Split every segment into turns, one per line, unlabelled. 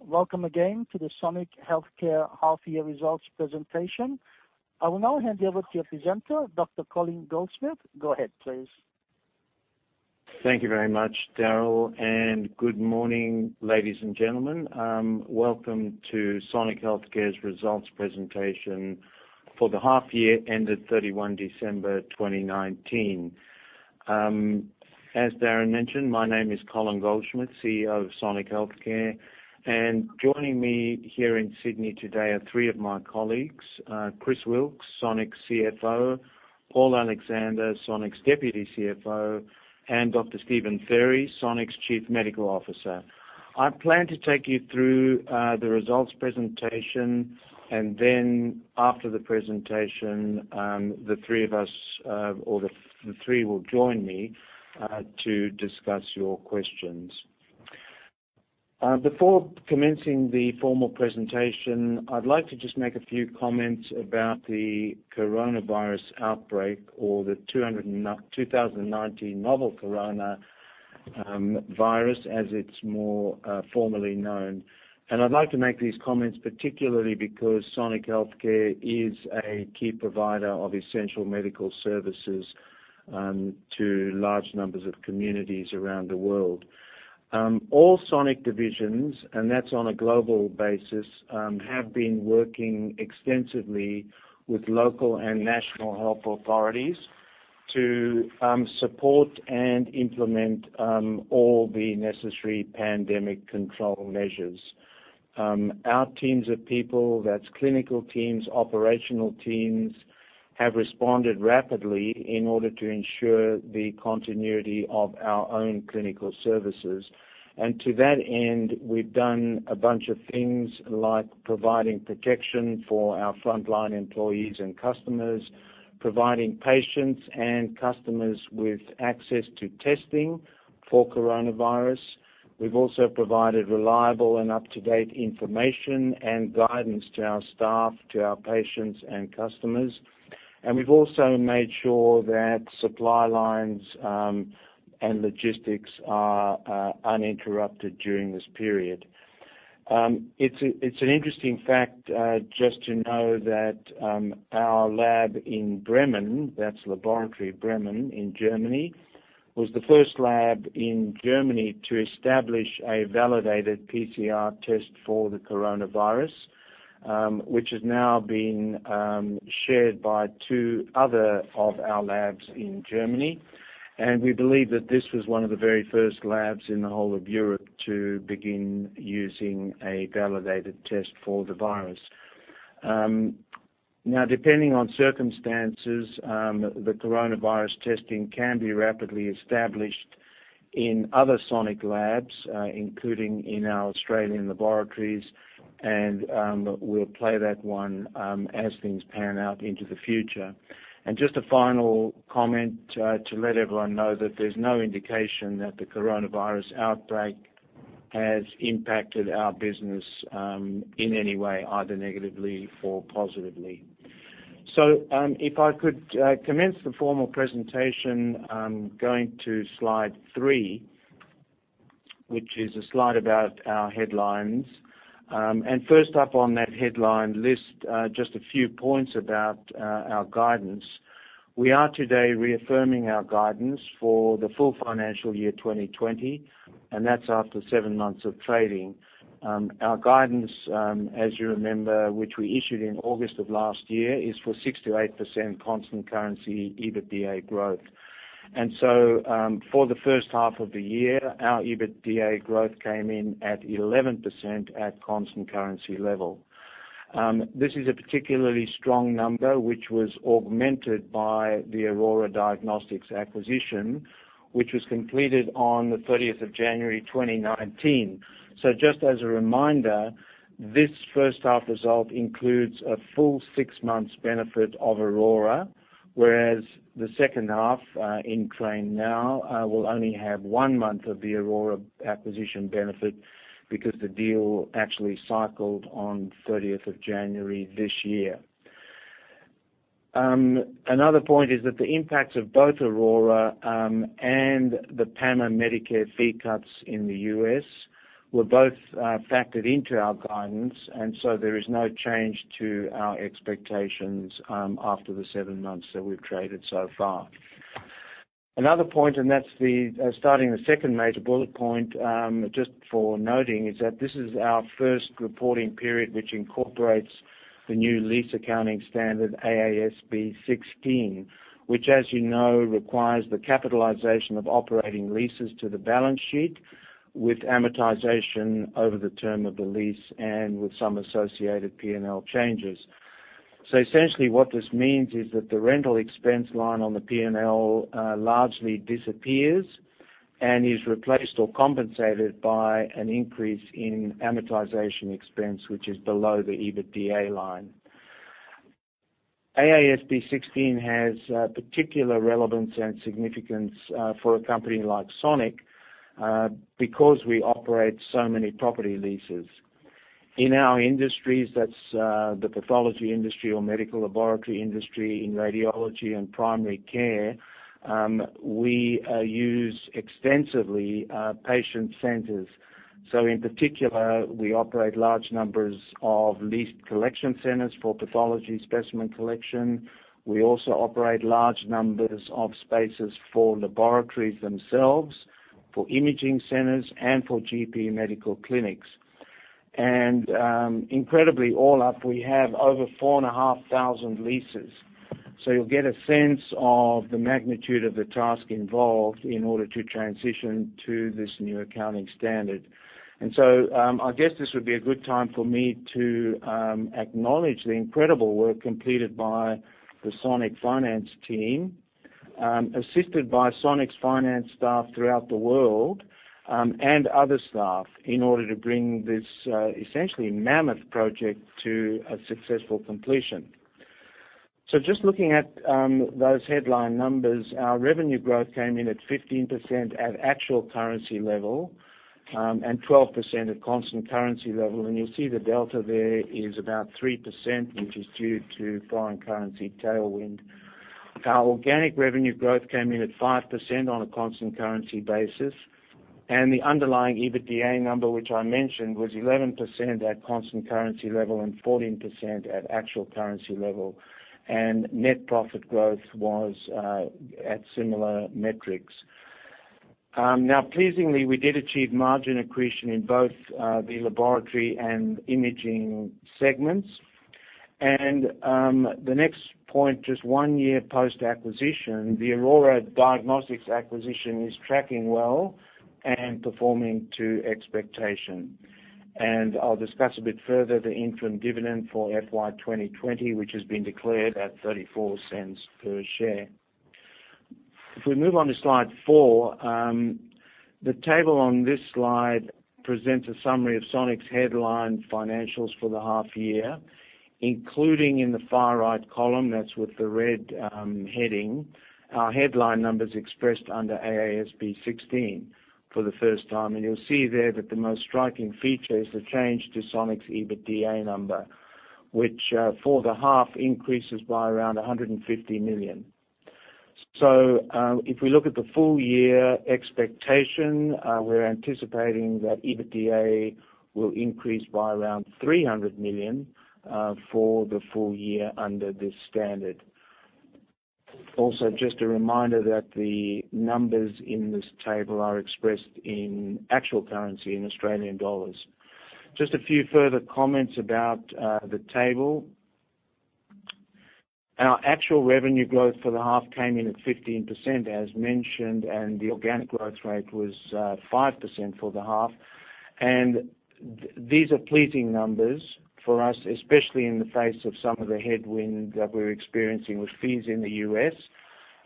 Welcome again to the Sonic Healthcare half-year results presentation. I will now hand you over to your presenter, Dr. Colin Goldschmidt. Go ahead, please.
Thank you very much, Daryl. Good morning, ladies and gentlemen. Welcome to Sonic Healthcare's results presentation for the half year ended 31 December 2019. As Daryl mentioned, my name is Colin Goldschmidt, CEO of Sonic Healthcare, and joining me here in Sydney today are three of my colleagues, Chris Wilks, Sonic's CFO, Paul Alexander, Sonic's Deputy CFO, and Dr. Stephen Fairy, Sonic's Chief Medical Officer. I plan to take you through the results presentation, and then after the presentation, the three will join me to discuss your questions. Before commencing the formal presentation, I'd like to just make a few comments about the coronavirus outbreak, or the 2019 novel coronavirus, as it's more formally known. I'd like to make these comments particularly because Sonic Healthcare is a key provider of essential medical services to large numbers of communities around the world. All Sonic divisions, and that's on a global basis, have been working extensively with local and national health authorities to support and implement all the necessary pandemic control measures. Our teams of people, that's clinical teams, operational teams, have responded rapidly in order to ensure the continuity of our own clinical services. To that end, we've done a bunch of things like providing protection for our frontline employees and customers, providing patients and customers with access to testing for coronavirus. We've also provided reliable and up-to-date information and guidance to our staff, to our patients and customers. We've also made sure that supply lines and logistics are uninterrupted during this period. It's an interesting fact, just to know that our lab in Bremen, that's Laboratory Bremen in Germany, was the first lab in Germany to establish a validated PCR test for the coronavirus, which has now been shared by two other of our labs in Germany. We believe that this was one of the very first labs in the whole of Europe to begin using a validated test for the virus. Depending on circumstances, the coronavirus testing can be rapidly established in other Sonic labs, including in our Australian laboratories, and we'll play that one as things pan out into the future. Just a final comment to let everyone know that there's no indication that the coronavirus outbreak has impacted our business in any way, either negatively or positively. If I could commence the formal presentation, going to slide three, which is a slide about our headlines. First up on that headline list, just a few points about our guidance. We are today reaffirming our guidance for the full financial year 2020, and that's after seven months of trading. Our guidance, as you remember, which we issued in August of last year, is for 6% to 8% constant currency EBITDA growth. For the first half of the year, our EBITDA growth came in at 11% at constant currency level. This is a particularly strong number, which was augmented by the Aurora Diagnostics acquisition, which was completed on the 30th of January 2019. Just as a reminder, this first half result includes a full six months benefit of Aurora, whereas the second half in train now, will only have one month of the Aurora acquisition benefit because the deal actually cycled on 30th of January this year. Another point is that the impacts of both Aurora and the PAMA Medicare fee cuts in the U.S. were both factored into our guidance. There is no change to our expectations after the seven months that we've traded so far. Another point, that's starting the second major bullet point, just for noting, is that this is our first reporting period, which incorporates the new lease accounting standard, AASB 16, which, as you know, requires the capitalization of operating leases to the balance sheet with amortization over the term of the lease and with some associated P&L changes. Essentially, what this means is that the rental expense line on the P&L largely disappears and is replaced or compensated by an increase in amortization expense, which is below the EBITDA line. AASB 16 has particular relevance and significance for a company like Sonic, because we operate so many property leases. In our industries, that's the pathology industry or medical laboratory industry in radiology and primary care, we use extensively patient centers. In particular, we operate large numbers of leased collection centers for pathology specimen collection. We also operate large numbers of spaces for laboratories themselves, for imaging centers, and for GP medical clinics. Incredibly, all up, we have over 4,500 leases. You'll get a sense of the magnitude of the task involved in order to transition to this new accounting standard. I guess this would be a good time for me to acknowledge the incredible work completed by the Sonic finance team, assisted by Sonic's finance staff throughout the world, and other staff in order to bring this essentially mammoth project to a successful completion. Just looking at those headline numbers, our revenue growth came in at 15% at actual currency level, and 12% at constant currency level. You'll see the delta there is about 3%, which is due to foreign currency tailwind. Our organic revenue growth came in at 5% on a constant currency basis, and the underlying EBITDA number, which I mentioned, was 11% at constant currency level and 14% at actual currency level. Net profit growth was at similar metrics. Pleasingly, we did achieve margin accretion in both the laboratory and imaging segments. The next point, just one year post-acquisition, the Aurora Diagnostics acquisition is tracking well and performing to expectation. I'll discuss a bit further the interim dividend for FY 2020, which has been declared at 0.34 per share. If we move on to slide four, the table on this slide presents a summary of Sonic's headline financials for the half year, including in the far right column, that's with the red heading, our headline numbers expressed under AASB 16 for the first time. You'll see there that the most striking feature is the change to Sonic's EBITDA number, which for the half increases by around 150 million. If we look at the full year expectation, we're anticipating that EBITDA will increase by around 300 million for the full year under this standard. Just a reminder that the numbers in this table are expressed in actual currency in Australian dollars. Just a few further comments about the table. Our actual revenue growth for the half came in at 15%, as mentioned, and the organic growth rate was 5% for the half. These are pleasing numbers for us, especially in the face of some of the headwind that we're experiencing with fees in the U.S.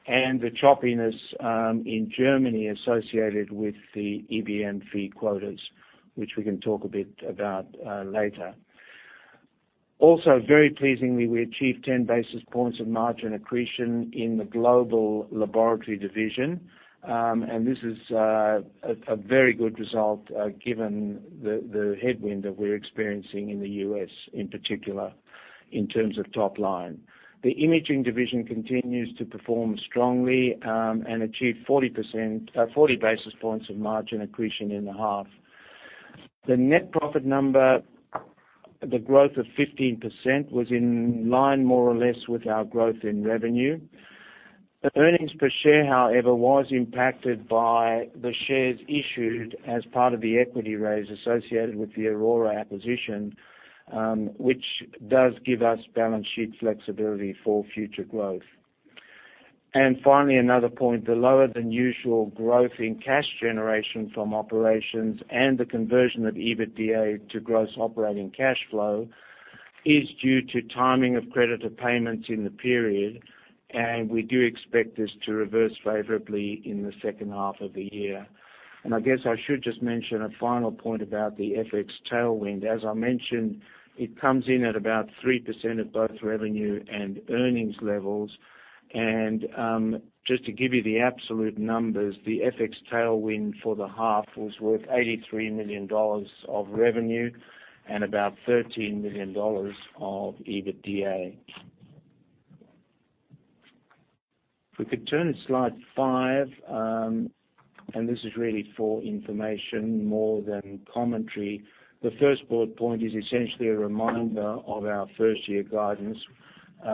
and the choppiness in Germany associated with the EBM fee quotas, which we can talk a bit about later. Very pleasingly, we achieved 10 basis points of margin accretion in the global laboratory division. This is a very good result given the headwind that we're experiencing in the U.S., in particular in terms of top line. The imaging division continues to perform strongly, and achieve 40 basis points of margin accretion in the half. The net profit number, the growth of 15%, was in line more or less with our growth in revenue. The earnings per share, however, was impacted by the shares issued as part of the equity raise associated with the Aurora acquisition, which does give us balance sheet flexibility for future growth. Finally, another point, the lower than usual growth in cash generation from operations and the conversion of EBITDA to gross operating cash flow is due to timing of creditor payments in the period. We do expect this to reverse favorably in the second half of the year. I guess I should just mention a final point about the FX tailwind. As I mentioned, it comes in at about 3% of both revenue and earnings levels. Just to give you the absolute numbers, the FX tailwind for the half was worth 83 million dollars of revenue and about 13 million dollars of EBITDA. If we could turn to slide five, and this is really for information more than commentary. The first bullet point is essentially a reminder of our first-year guidance,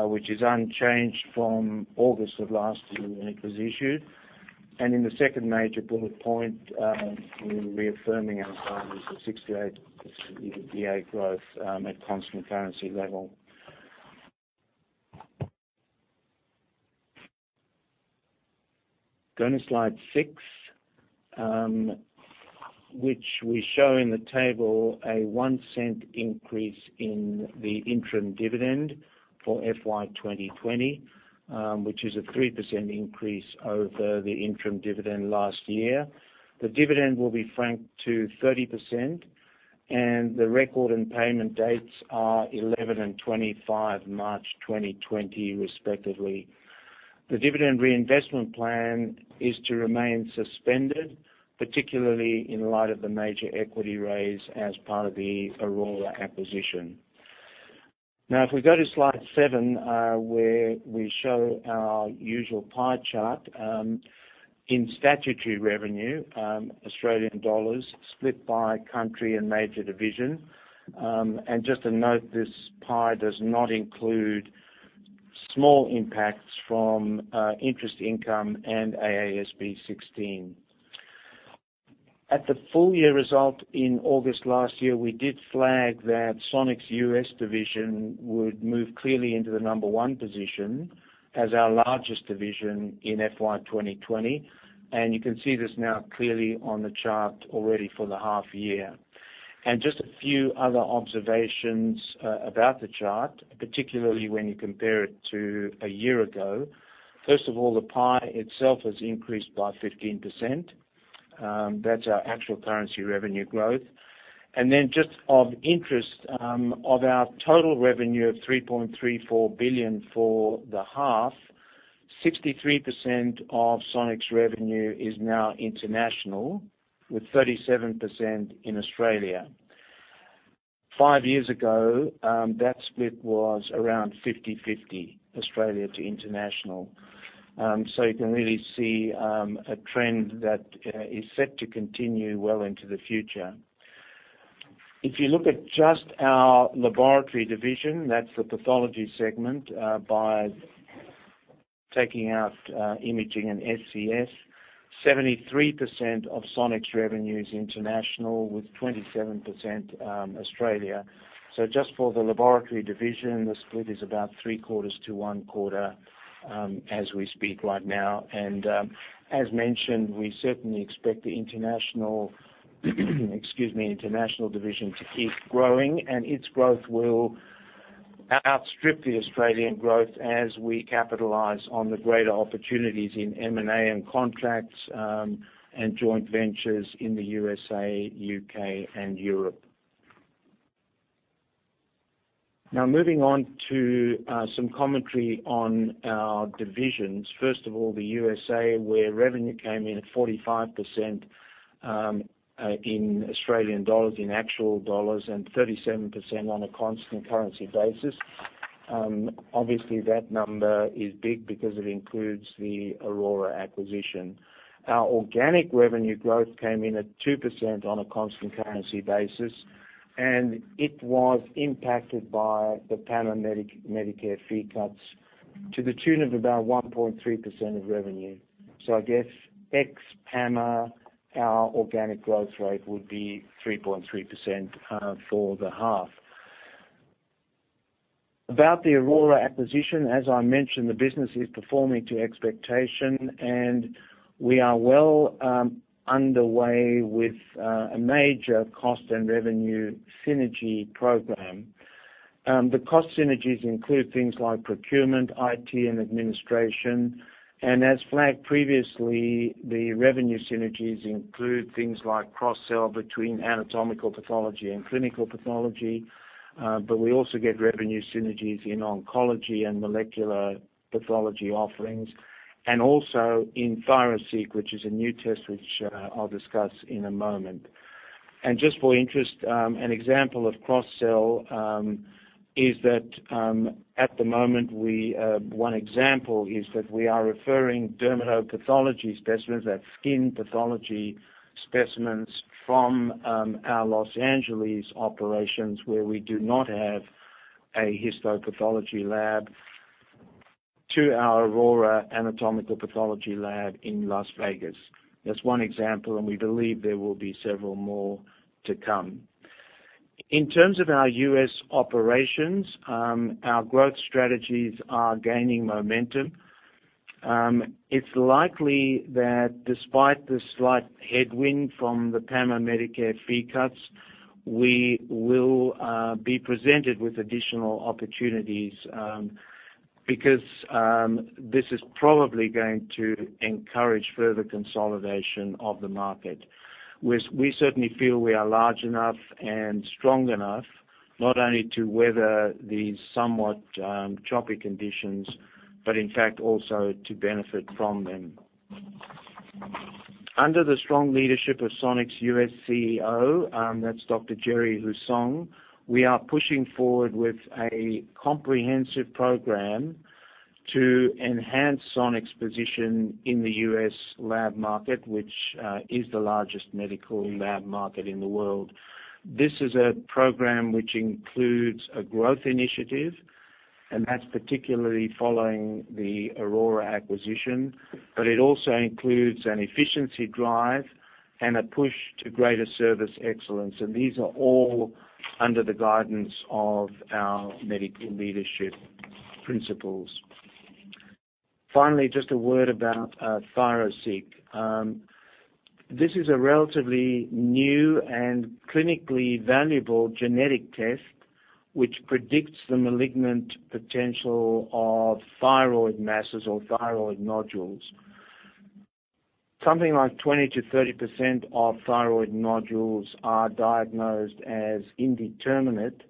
which is unchanged from August of last year when it was issued. In the second major bullet point, we're reaffirming our guidance of 6%-8% EBITDA growth, at constant currency level. Going to slide six, which we show in the table a 0.01 increase in the interim dividend for FY 2020, which is a 3% increase over the interim dividend last year. The dividend will be franked to 30%, and the record and payment dates are 11th and 25 March 2020 respectively. The dividend reinvestment plan is to remain suspended, particularly in light of the major equity raise as part of the Aurora acquisition. Now, if we go to slide seven, where we show our usual pie chart. In statutory revenue, Australian dollars split by country and major division. Just to note, this pie does not include small impacts from interest income and AASB 16. At the full-year result in August last year, we did flag that Sonic's U.S. division would move clearly into the number 1 position as our largest division in FY 2020, and you can see this now clearly on the chart already for the half-year. Just a few other observations about the chart, particularly when you compare it to a year ago. First of all, the pie itself has increased by 15%. That's our actual currency revenue growth. Just of interest, of our total revenue of 3.34 billion for the half, 63% of Sonic's revenue is now international, with 37% in Australia. Five years ago, that split was around 50/50 Australia to international. You can really see a trend that is set to continue well into the future. If you look at just our laboratory division, that's the pathology segment, by taking out imaging and SCS, 73% of Sonic's revenue is international with 27% Australia. Just for the laboratory division, the split is about three-quarters to one quarter, as we speak right now. As mentioned, we certainly expect the international division to keep growing, and its growth will outstrip the Australian growth as we capitalize on the greater opportunities in M&A and contracts, and joint ventures in the USA, U.K. and Europe. Moving on to some commentary on our divisions. First of all, the USA, where revenue came in at 45% in Australian dollars, in actual dollars, and 37% on a constant currency basis. Obviously, that number is big because it includes the Aurora acquisition. Our organic revenue growth came in at 2% on a constant currency basis. It was impacted by the PAMA Medicare fee cuts to the tune of about 1.3% of revenue. I guess ex-PAMA, our organic growth rate would be 3.3% for the half. About the Aurora acquisition, as I mentioned, the business is performing to expectation. We are well underway with a major cost and revenue synergy program. The cost synergies include things like procurement, IT, and administration. As flagged previously, the revenue synergies include things like cross-sell between anatomical pathology and clinical pathology. We also get revenue synergies in oncology and molecular pathology offerings. Also in ThyroSeq, which is a new test which I'll discuss in a moment. Just for interest, an example of cross-sell is that at the moment, one example is that we are referring dermatopathology specimens, that's skin pathology specimens, from our Los Angeles operations, where we do not have a histopathology lab, to our Aurora anatomical pathology lab in Las Vegas. That's one example, and we believe there will be several more to come. In terms of our U.S. operations, our growth strategies are gaining momentum. It's likely that despite the slight headwind from the PAMA Medicare fee cuts, we will be presented with additional opportunities, because this is probably going to encourage further consolidation of the market. We certainly feel we are large enough and strong enough, not only to weather these somewhat choppy conditions, but in fact, also to benefit from them. Under the strong leadership of Sonic's U.S. CEO, that's Dr. Jerry Hussong, we are pushing forward with a comprehensive program to enhance Sonic's position in the U.S. lab market, which is the largest medical lab market in the world. This is a program which includes a growth initiative, that's particularly following the Aurora acquisition, it also includes an efficiency drive and a push to greater service excellence. These are all under the guidance of our medical leadership principles. Finally, just a word about ThyroSeq. This is a relatively new and clinically valuable genetic test which predicts the malignant potential of thyroid masses or thyroid nodules. Something like 20%-30% of thyroid nodules are diagnosed as indeterminate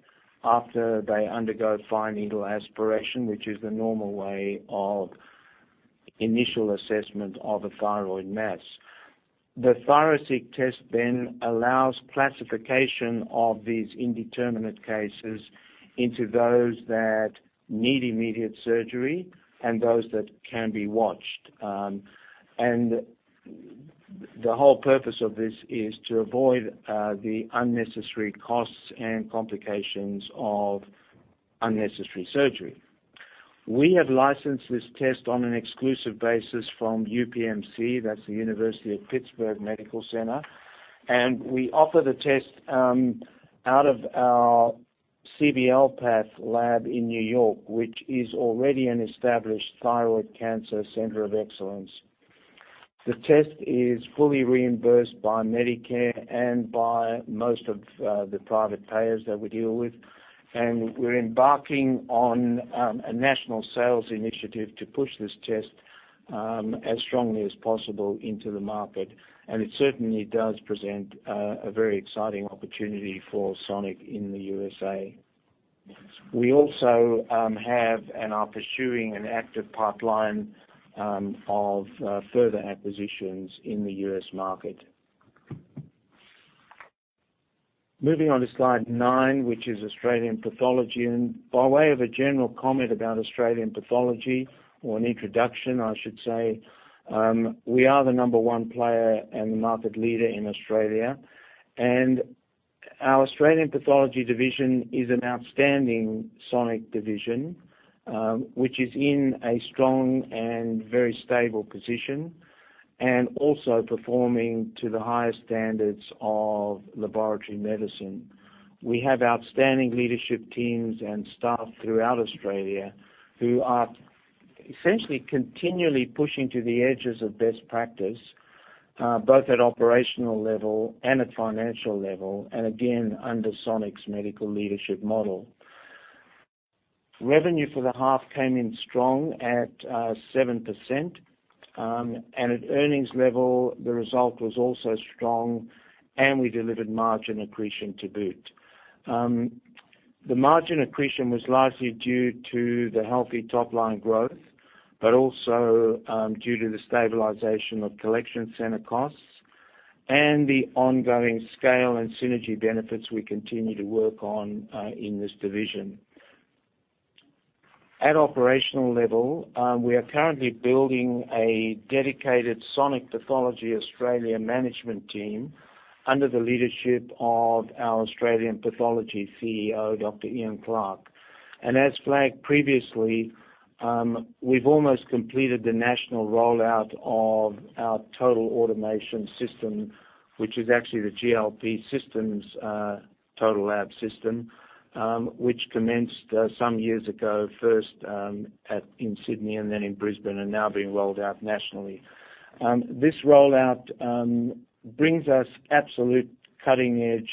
after they undergo fine needle aspiration, which is the normal way of initial assessment of a thyroid mass. The ThyroSeq test allows classification of these indeterminate cases into those that need immediate surgery and those that can be watched. The whole purpose of this is to avoid the unnecessary costs and complications of unnecessary surgery. We have licensed this test on an exclusive basis from UPMC, that's the University of Pittsburgh Medical Center, and we offer the test out of our CBLPath lab in New York, which is already an established thyroid cancer center of excellence. The test is fully reimbursed by Medicare and by most of the private payers that we deal with. We're embarking on a national sales initiative to push this test, as strongly as possible into the market. It certainly does present a very exciting opportunity for Sonic in the USA. We also have and are pursuing an active pipeline of further acquisitions in the US market. Moving on to slide nine, which is Australian Pathology. By way of a general comment about Australian Pathology, or an introduction I should say, we are the number one player and the market leader in Australia. Our Australian Pathology division is an outstanding Sonic division, which is in a strong and very stable position, and also performing to the highest standards of laboratory medicine. We have outstanding leadership teams and staff throughout Australia who are essentially continually pushing to the edges of best practice, both at operational level and at financial level, and again, under Sonic's medical leadership model. Revenue for the half came in strong at 7%, and at earnings level, the result was also strong, and we delivered margin accretion to boot. The margin accretion was largely due to the healthy top-line growth, but also due to the stabilization of collection center costs and the ongoing scale and synergy benefits we continue to work on in this division. At operational level, we are currently building a dedicated Sonic Pathology Australia management team under the leadership of our Australian Pathology CEO, Dr. Ian Clark. As flagged previously, we've almost completed the national rollout of our total automation system, which is actually the GLP Systems Total Lab System, which commenced some years ago, first in Sydney and then in Brisbane, and now being rolled out nationally. This rollout brings us absolute cutting-edge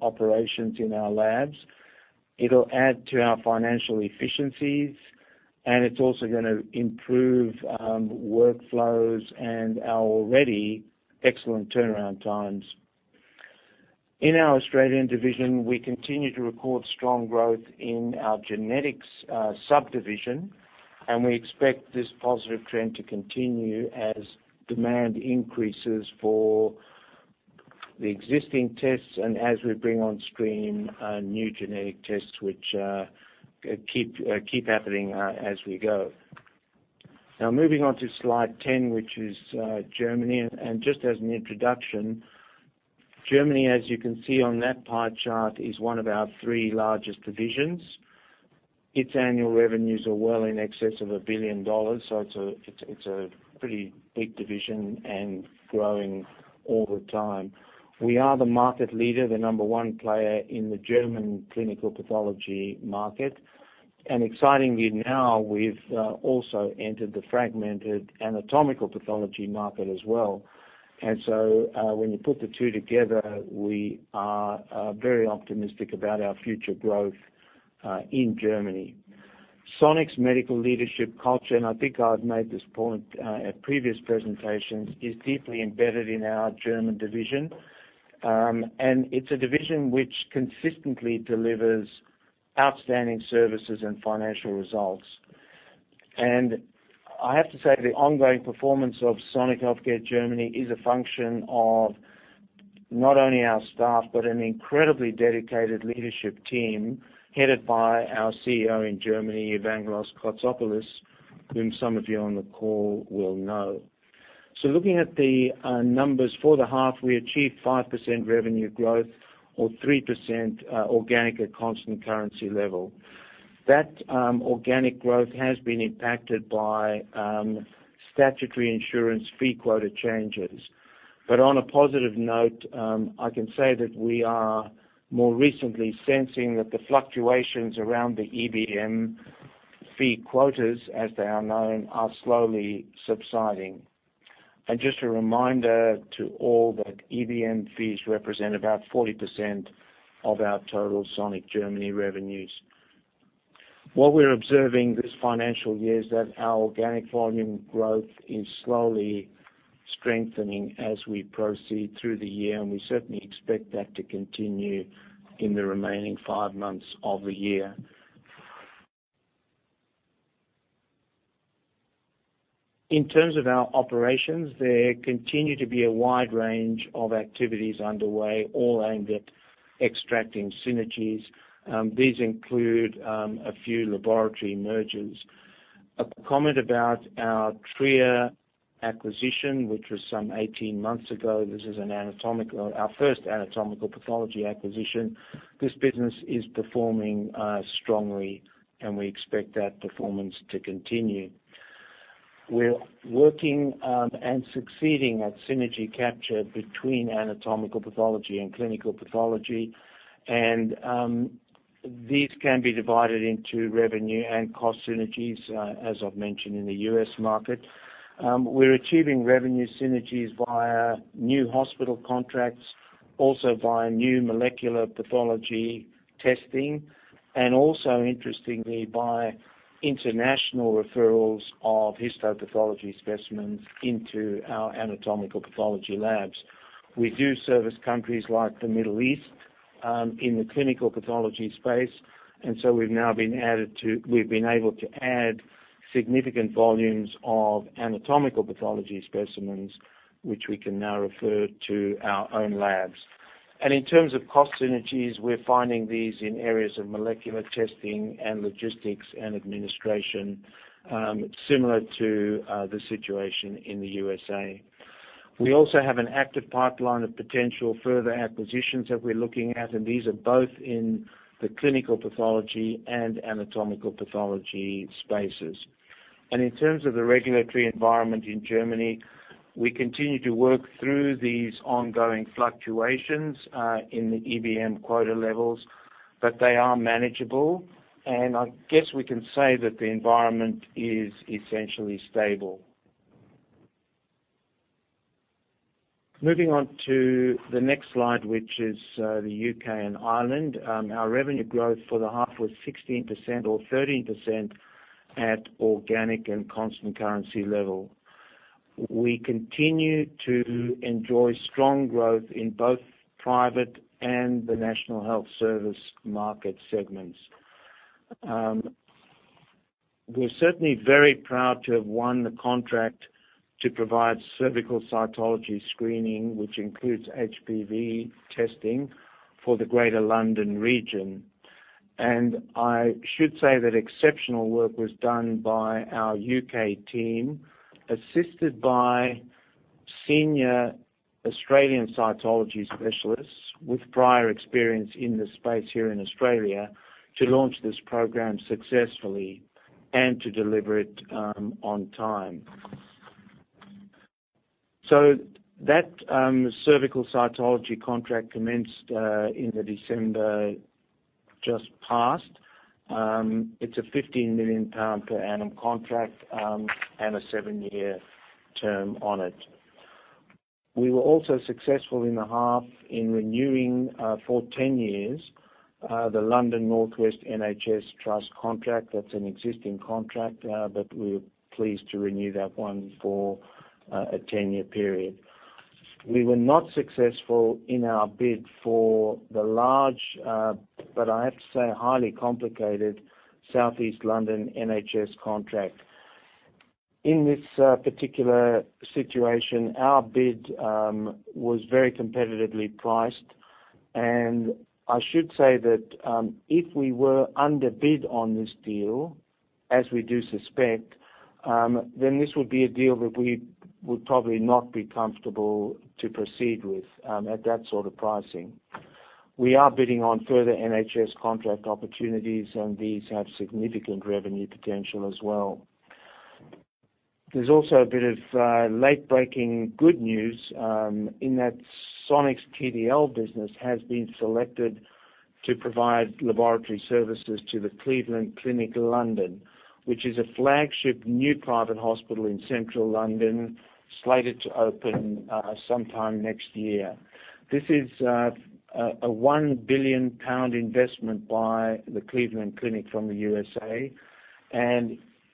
operations in our labs. It'll add to our financial efficiencies, it's also going to improve workflows and our already excellent turnaround times. In our Australian division, we continue to record strong growth in our genetics subdivision, we expect this positive trend to continue as demand increases for the existing tests and as we bring on stream new genetic tests, which keep happening as we go. Moving on to slide 10, which is Germany. Just as an introduction, Germany, as you can see on that pie chart, is one of our three largest divisions. Its annual revenues are well in excess of 1 billion dollars, it's a pretty big division and growing all the time. We are the market leader, the number one player in the German clinical pathology market, excitingly now, we've also entered the fragmented anatomical pathology market as well. When you put the two together, we are very optimistic about our future growth in Germany. Sonic's medical leadership culture, I think I've made this point at previous presentations, is deeply embedded in our German division. It's a division which consistently delivers outstanding services and financial results. I have to say, the ongoing performance of Sonic Healthcare Germany is a function of not only our staff, but an incredibly dedicated leadership team headed by our CEO in Germany, Evangelos Kotsopoulos, whom some of you on the call will know. Looking at the numbers for the half, we achieved 5% revenue growth or 3% organic at constant currency level. That organic growth has been impacted by statutory insurance fee quota changes. On a positive note, I can say that we are more recently sensing that the fluctuations around the EBM fee quotas, as they are known, are slowly subsiding. Just a reminder to all that EBM fees represent about 40% of our total Sonic Germany revenues. What we're observing this financial year is that our organic volume growth is slowly strengthening as we proceed through the year, and we certainly expect that to continue in the remaining five months of the year. In terms of our operations, there continue to be a wide range of activities underway, all aimed at extracting synergies. These include a few laboratory mergers. A comment about our Trier acquisition, which was some 18 months ago. This is our first anatomical pathology acquisition. This business is performing strongly, and we expect that performance to continue. We're working on and succeeding at synergy capture between anatomical pathology and clinical pathology, and these can be divided into revenue and cost synergies, as I've mentioned, in the U.S. market. We're achieving revenue synergies via new hospital contracts, also via new molecular pathology testing, also interestingly, by international referrals of histopathology specimens into our anatomical pathology labs. We do service countries like the Middle East in the clinical pathology space. We've now been able to add significant volumes of anatomical pathology specimens, which we can now refer to our own labs. In terms of cost synergies, we're finding these in areas of molecular testing and logistics and administration, similar to the situation in the U.S. We also have an active pipeline of potential further acquisitions that we're looking at. These are both in the clinical pathology and anatomical pathology spaces. In terms of the regulatory environment in Germany, we continue to work through these ongoing fluctuations in the EBM quota levels, but they are manageable. I guess we can say that the environment is essentially stable. Moving on to the next slide, which is the U.K. and Ireland. Our revenue growth for the half was 16% or 13% at organic and constant currency level. We continue to enjoy strong growth in both private and the National Health Service market segments. We're certainly very proud to have won the contract to provide cervical cytology screening, which includes HPV testing for the Greater London region. I should say that exceptional work was done by our U.K. team, assisted by senior Australian cytology specialists with prior experience in this space here in Australia, to launch this program successfully and to deliver it on time. That cervical cytology contract commenced in the December just passed. It's a 15 million pound per annum contract, and a seven-year term on it. We were also successful in the half in renewing, for 10 years, the London North West NHS Trust contract. That's an existing contract, we're pleased to renew that one for a 10-year period. We were not successful in our bid for the large, but I have to say, highly complicated Southeast London NHS contract. In this particular situation, our bid was very competitively priced, and I should say that, if we were under bid on this deal, as we do suspect, then this would be a deal that we would probably not be comfortable to proceed with at that sort of pricing. We are bidding on further NHS contract opportunities, these have significant revenue potential as well. There's also a bit of late-breaking good news, in that Sonic's TDL business has been selected to provide laboratory services to the Cleveland Clinic London, which is a flagship new private hospital in Central London, slated to open sometime next year. This is a 1 billion pound investment by the Cleveland Clinic from the USA.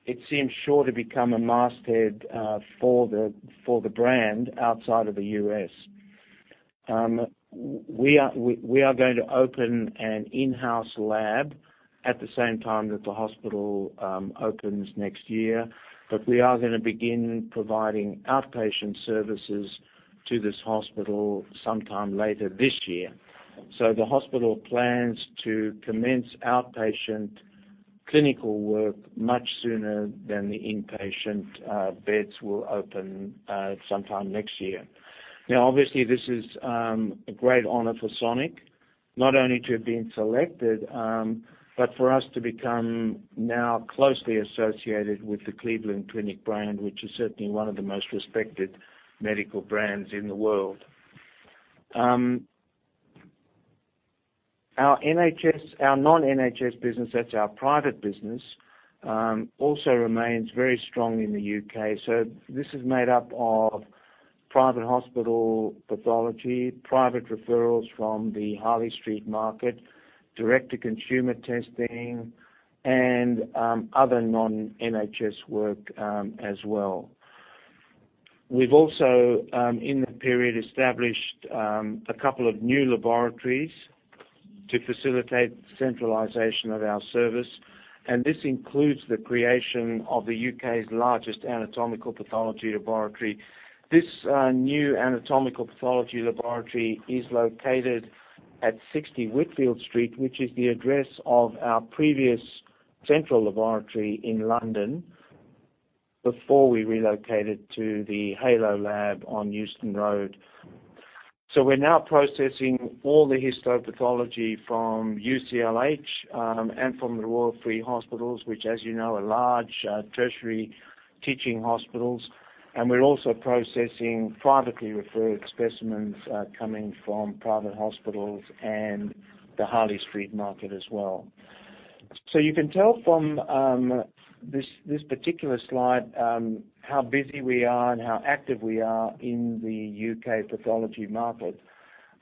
It seems sure to become a masthead for the brand outside of the U.S. We are going to open an in-house lab at the same time that the hospital opens next year. We are gonna begin providing outpatient services to this hospital sometime later this year. The hospital plans to commence outpatient clinical work much sooner than the inpatient beds will open sometime next year. Obviously, this is a great honor for Sonic, not only to have been selected, but for us to become now closely associated with the Cleveland Clinic brand, which is certainly one of the most respected medical brands in the world. Our non-NHS business, that's our private business, also remains very strong in the U.K. This is made up of private hospital pathology, private referrals from the Harley Street market, direct-to-consumer testing, and other non-NHS work as well. We've also, in the period, established a couple of new laboratories to facilitate centralization of our service, and this includes the creation of the U.K.'s largest anatomical pathology laboratory. This new anatomical pathology laboratory is located at 60 Whitfield Street, which is the address of our previous central laboratory in London before we relocated to The Halo Lab on Euston Road. We're now processing all the histopathology from UCLH, and from the Royal Free hospitals, which as you know, are large tertiary teaching hospitals. We're also processing privately referred specimens coming from private hospitals and the Harley Street market as well. You can tell from this particular slide how busy we are and how active we are in the U.K. pathology market.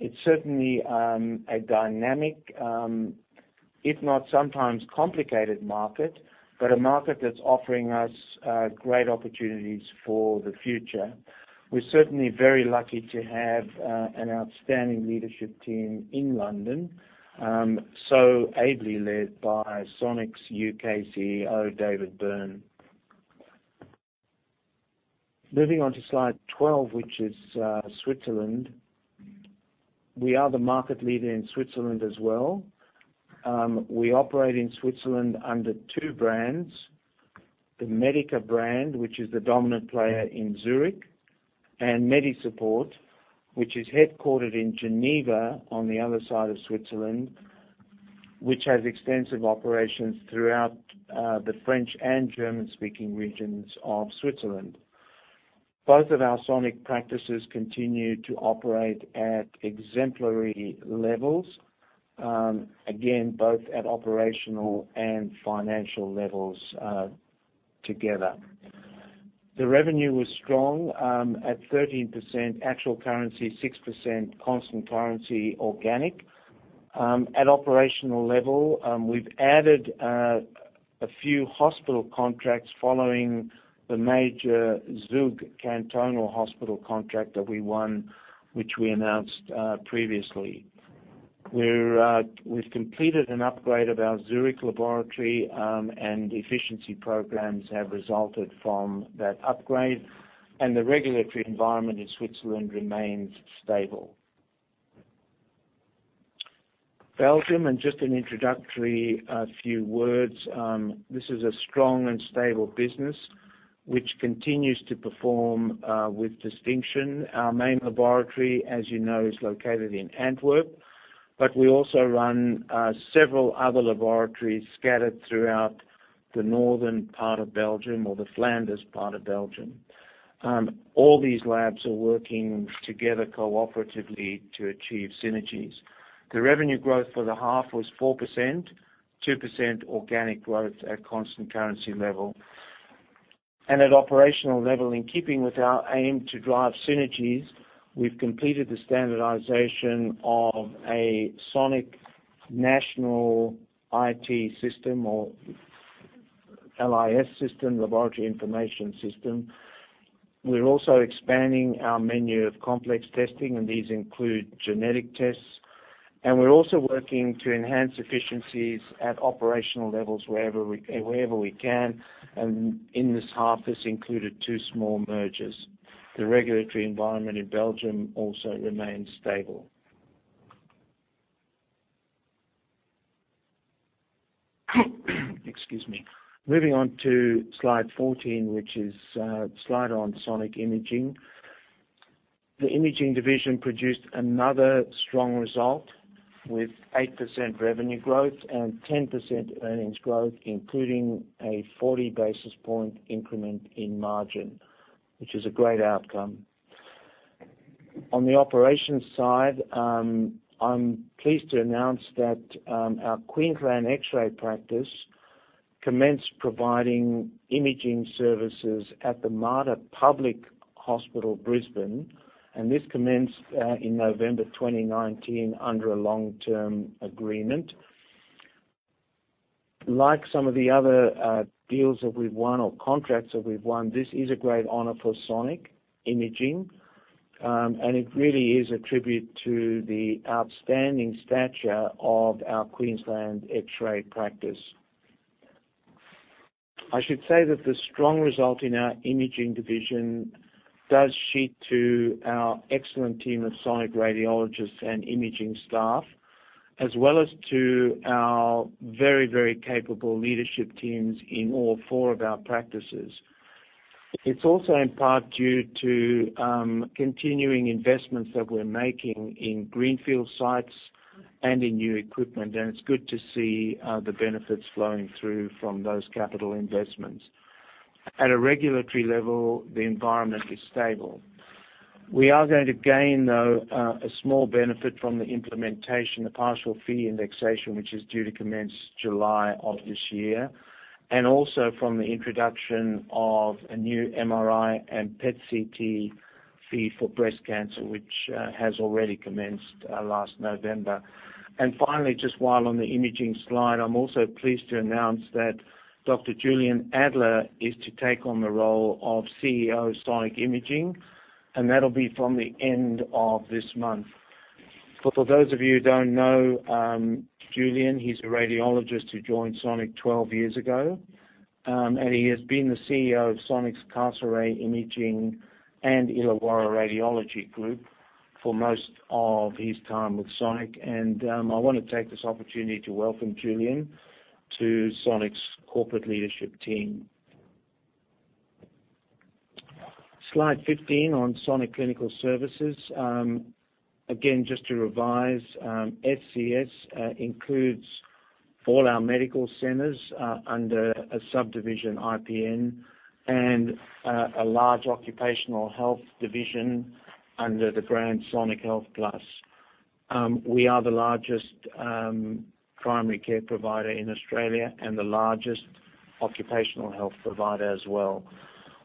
It's certainly a dynamic, if not sometimes complicated market, but a market that's offering us great opportunities for the future. We're certainly very lucky to have an outstanding leadership team in London, so ably led by Sonic's U.K. CEO, David Byrne. Moving on to slide 12, which is Switzerland. We are the market leader in Switzerland as well. We operate in Switzerland under two brands, the Medica brand, which is the dominant player in Zurich, and Medisupport, which is headquartered in Geneva on the other side of Switzerland, which has extensive operations throughout the French and German-speaking regions of Switzerland. Both of our Sonic practices continue to operate at exemplary levels, again, both at operational and financial levels together. The revenue was strong at 13% actual currency, 6% constant currency organic. At operational level, we've added a few hospital contracts following the major Zug Cantonal hospital contract that we won, which we announced previously. We've completed an upgrade of our Zurich laboratory. Efficiency programs have resulted from that upgrade. The regulatory environment in Switzerland remains stable. Belgium, just an introductory few words. This is a strong and stable business, which continues to perform with distinction. Our main laboratory, as you know, is located in Antwerp. We also run several other laboratories scattered throughout the northern part of Belgium or the Flanders part of Belgium. All these labs are working together cooperatively to achieve synergies. The revenue growth for the half was 4%, 2% organic growth at constant currency level. At operational level, in keeping with our aim to drive synergies, we've completed the standardization of a Sonic national IT system or LIS system, laboratory information system. We're also expanding our menu of complex testing. These include genetic tests. We're also working to enhance efficiencies at operational levels wherever we can. In this half, this included two small mergers. The regulatory environment in Belgium also remains stable. Excuse me. Moving on to slide 14, which is a slide on Sonic Imaging. The imaging division produced another strong result with 8% revenue growth and 10% earnings growth, including a 40 basis point increment in margin, which is a great outcome. On the operations side, I'm pleased to announce that our Queensland X-Ray practice commenced providing imaging services at the Mater Public Hospital Brisbane. This commenced in November 2019 under a long-term agreement. Like some of the other deals that we've won or contracts that we've won, this is a great honor for Sonic Imaging. It really is a tribute to the outstanding stature of our Queensland X-Ray practice. I should say that the strong result in our imaging division does sheet to our excellent team of Sonic radiologists and imaging staff, as well as to our very, very capable leadership teams in all four of our practices. It's also in part due to continuing investments that we're making in greenfield sites and in new equipment, and it's good to see the benefits flowing through from those capital investments. At a regulatory level, the environment is stable. We are going to gain, though, a small benefit from the implementation, the partial fee indexation, which is due to commence July of this year, and also from the introduction of a new MRI and PET-CT fee for breast cancer, which has already commenced last November. Finally, just while on the imaging slide, I'm also pleased to announce that Dr. Julian Adler is to take on the role of CEO, Sonic Imaging, and that'll be from the end of this month. For those of you who don't know Julian, he's a radiologist who joined Sonic 12 years ago. He has been the CEO of Sonic's Cancer Imaging and Illawarra Radiology Group for most of his time with Sonic. I want to take this opportunity to welcome Julian to Sonic's corporate leadership team. Slide 15 on Sonic Clinical Services. Again, just to revise, SCS includes all our medical centers, under a subdivision, IPN, and a large occupational health division under the brand Sonic HealthPlus. We are the largest primary care provider in Australia and the largest occupational health provider as well.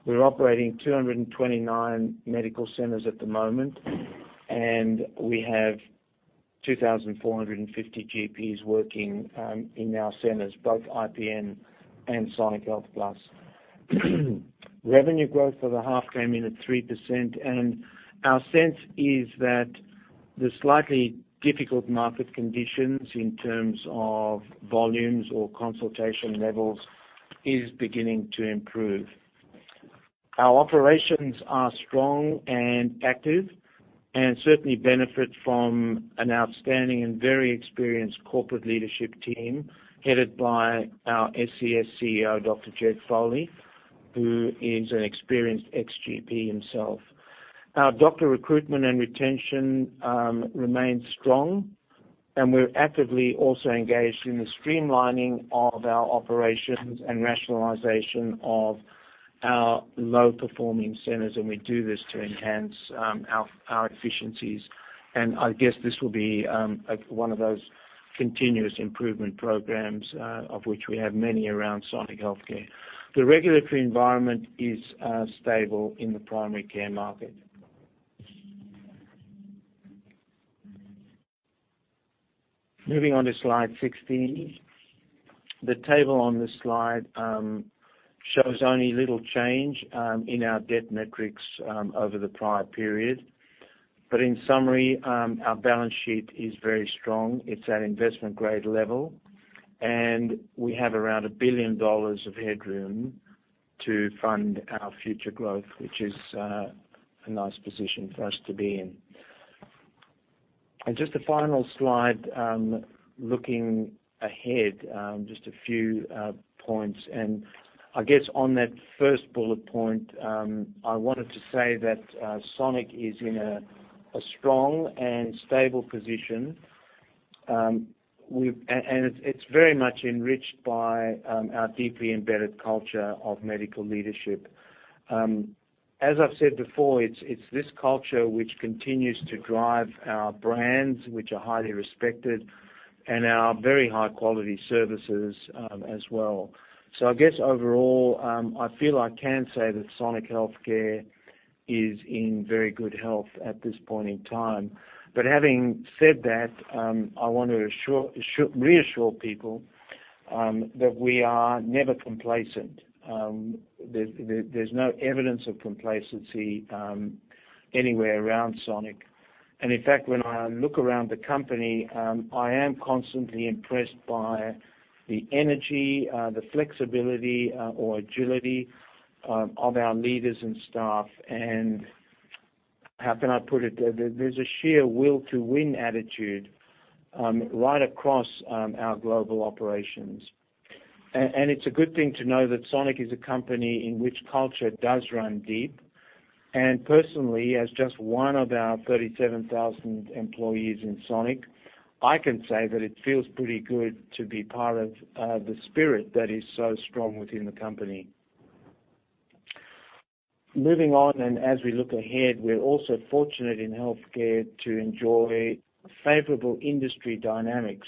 We're operating 229 medical centers at the moment, and we have 2,450 GPs working in our centers, both IPN and Sonic Health Plus. Revenue growth for the half came in at 3%, and our sense is that the slightly difficult market conditions in terms of volumes or consultation levels is beginning to improve. Our operations are strong and active, and certainly benefit from an outstanding and very experienced corporate leadership team, headed by our SCS CEO, Dr Ged Foley, who is an experienced ex-GP himself. Our doctor recruitment and retention remains strong, and we're actively also engaged in the streamlining of our operations and rationalization of our low-performing centers, and we do this to enhance our efficiencies. I guess this will be one of those continuous improvement programs, of which we have many around Sonic Healthcare. The regulatory environment is stable in the primary care market. Moving on to slide 16. The table on this slide shows only little change in our debt metrics over the prior period. In summary, our balance sheet is very strong. It's at investment-grade level. We have around 1 billion dollars of headroom to fund our future growth, which is a nice position for us to be in. Just a final slide, looking ahead, just a few points. I guess on that first bullet point, I wanted to say that Sonic is in a strong and stable position. It's very much enriched by our deeply embedded culture of medical leadership. As I've said before, it's this culture which continues to drive our brands, which are highly respected, and our very high-quality services as well. I guess overall, I feel I can say that Sonic Healthcare is in very good health at this point in time. Having said that, I want to reassure people that we are never complacent. There's no evidence of complacency anywhere around Sonic. In fact, when I look around the company, I am constantly impressed by the energy, the flexibility or agility of our leaders and staff. How can I put it? There's a sheer will to win attitude, right across our global operations. It's a good thing to know that Sonic is a company in which culture does run deep. Personally, as just one of our 37,000 employees in Sonic, I can say that it feels pretty good to be part of the spirit that is so strong within the company. Moving on, and as we look ahead, we're also fortunate in healthcare to enjoy favorable industry dynamics,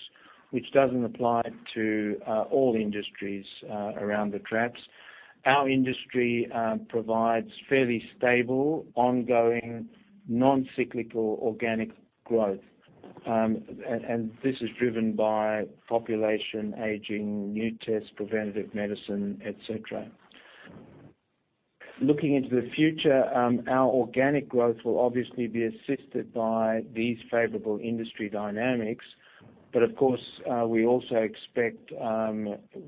which doesn't apply to all industries around the traps. Our industry provides fairly stable, ongoing, non-cyclical, organic growth. This is driven by population aging, new tests, preventative medicine, et cetera. Looking into the future, our organic growth will obviously be assisted by these favorable industry dynamics, but of course, we also expect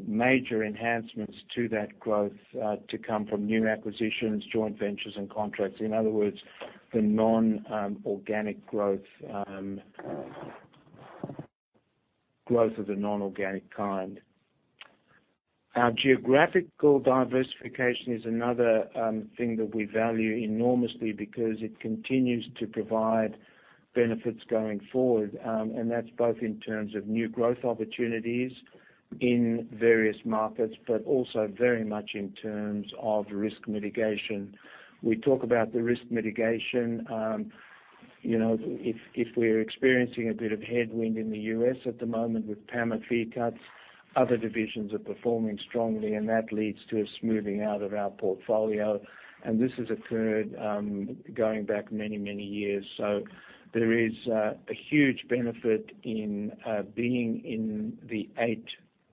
major enhancements to that growth to come from new acquisitions, joint ventures, and contracts. In other words, growth of the non-organic kind. Our geographical diversification is another thing that we value enormously because it continues to provide benefits going forward, and that's both in terms of new growth opportunities in various markets, but also very much in terms of risk mitigation. We talk about the risk mitigation, if we're experiencing a bit of headwind in the U.S. at the moment with PAMA fee cuts, other divisions are performing strongly, and that leads to a smoothing out of our portfolio. This has occurred going back many, many years. There is a huge benefit in being in the eight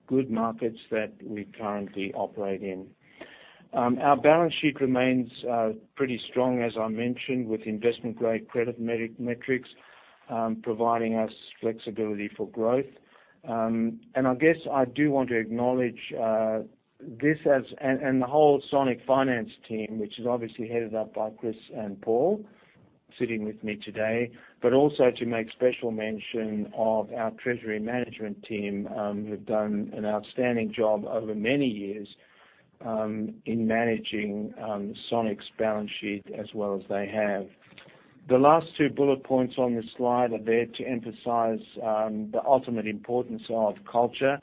good markets that we currently operate in. Our balance sheet remains pretty strong, as I mentioned, with investment-grade credit metrics, providing us flexibility for growth. I guess I do want to acknowledge this, and the whole Sonic finance team, which is obviously headed up by Chris and Paul, sitting with me today, but also to make special mention of our treasury management team, who have done an outstanding job over many years in managing Sonic's balance sheet as well as they have. The last two bullet points on the slide are there to emphasize the ultimate importance of culture,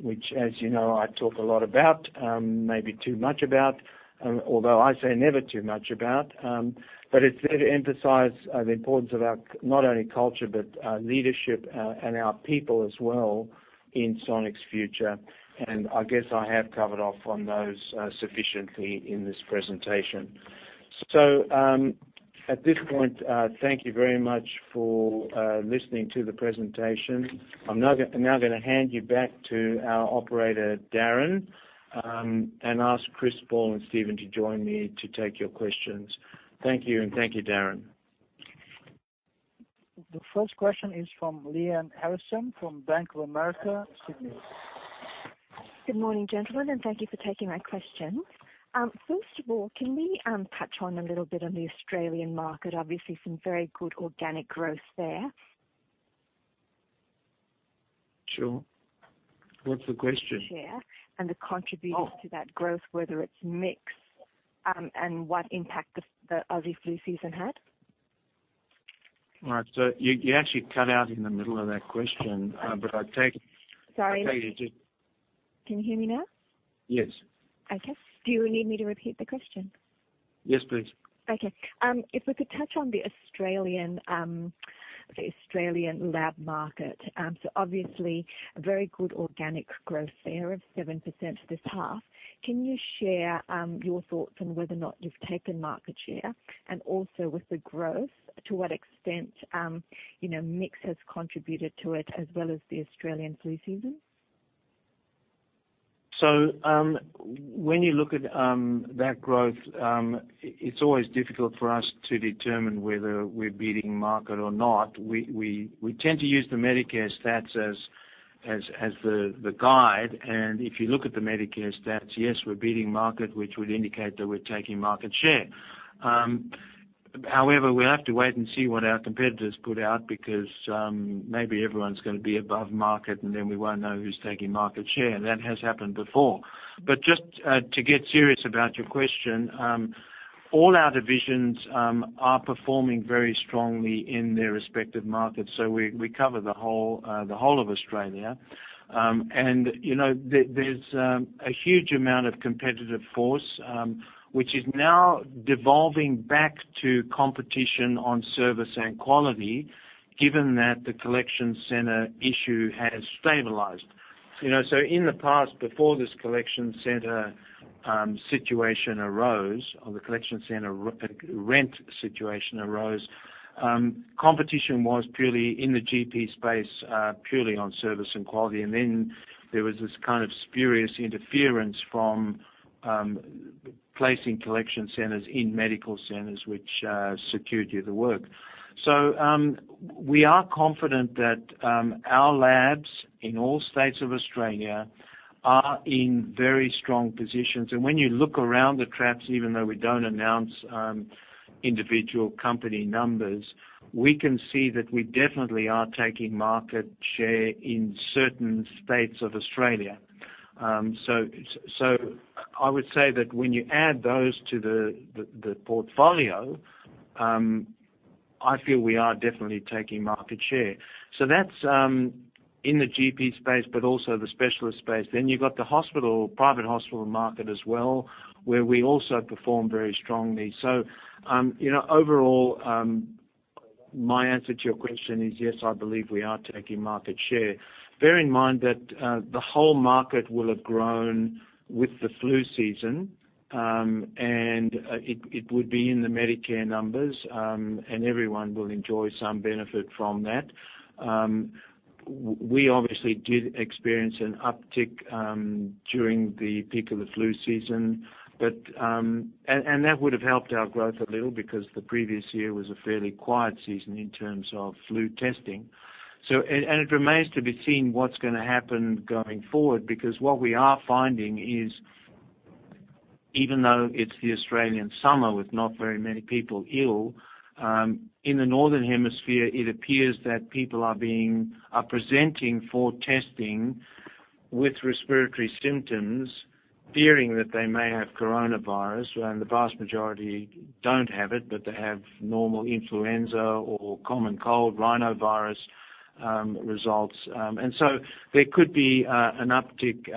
which, as you know, I talk a lot about, maybe too much about, although I say never too much about. It's there to emphasize the importance of our not only culture, but our leadership and our people as well in Sonic's future. I guess I have covered off on those sufficiently in this presentation. At this point, thank you very much for listening to the presentation. I'm now going to hand you back to our operator, Darren, and ask Chris, Paul, and Stephen to join me to take your questions. Thank you, and thank you, Darren.
The first question is from Lyanne Harrison from Bank of America, Sydney.
Good morning, gentlemen, and thank you for taking my questions. First of all, can we touch on a little bit on the Australian market? Obviously, some very good organic growth there.
Sure. What's the question?
Share and the contribution to that growth, whether it's mix, and what impact the Aussie flu season had.
All right. You actually cut out in the middle of that question.
Sorry. Can you hear me now?
Yes.
Okay. Do you need me to repeat the question?
Yes, please.
Okay. If we could touch on the Australian lab market. Obviously, very good organic growth there of 7% this half. Can you share your thoughts on whether or not you've taken market share? Also with the growth, to what extent mix has contributed to it as well as the Australian flu season?
When you look at that growth, it's always difficult for us to determine whether we're beating market or not. We tend to use the Medicare stats as the guide, and if you look at the Medicare stats, yes, we're beating market, which would indicate that we're taking market share. However, we have to wait and see what our competitors put out because maybe everyone's going to be above market, and then we won't know who's taking market share. That has happened before. Just to get serious about your question, all our divisions are performing very strongly in their respective markets, so we cover the whole of Australia. There's a huge amount of competitive force, which is now devolving back to competition on service and quality, given that the collection center issue has stabilized. In the past, before this collection center situation arose, or the collection center rent situation arose, competition was purely in the GP space, purely on service and quality. There was this kind of spurious interference from placing collection centers in medical centers which secured you the work. We are confident that our labs in all states of Australia are in very strong positions. When you look around the traps, even though we don't announce individual company numbers, we can see that we definitely are taking market share in certain states of Australia. I would say that when you add those to the portfolio, I feel we are definitely taking market share. That's in the GP space, but also the specialist space. You've got the private hospital market as well, where we also perform very strongly. Overall, my answer to your question is, yes, I believe we are taking market share. Bear in mind that the whole market will have grown with the flu season, and it would be in the Medicare numbers, and everyone will enjoy some benefit from that. We obviously did experience an uptick during the peak of the flu season, and that would have helped our growth a little because the previous year was a fairly quiet season in terms of flu testing. It remains to be seen what's going to happen going forward, because what we are finding is, even though it's the Australian summer with not very many people ill, in the northern hemisphere, it appears that people are presenting for testing with respiratory symptoms, fearing that they may have coronavirus, and the vast majority don't have it, but they have normal influenza or common cold rhinovirus results. There could be an uptick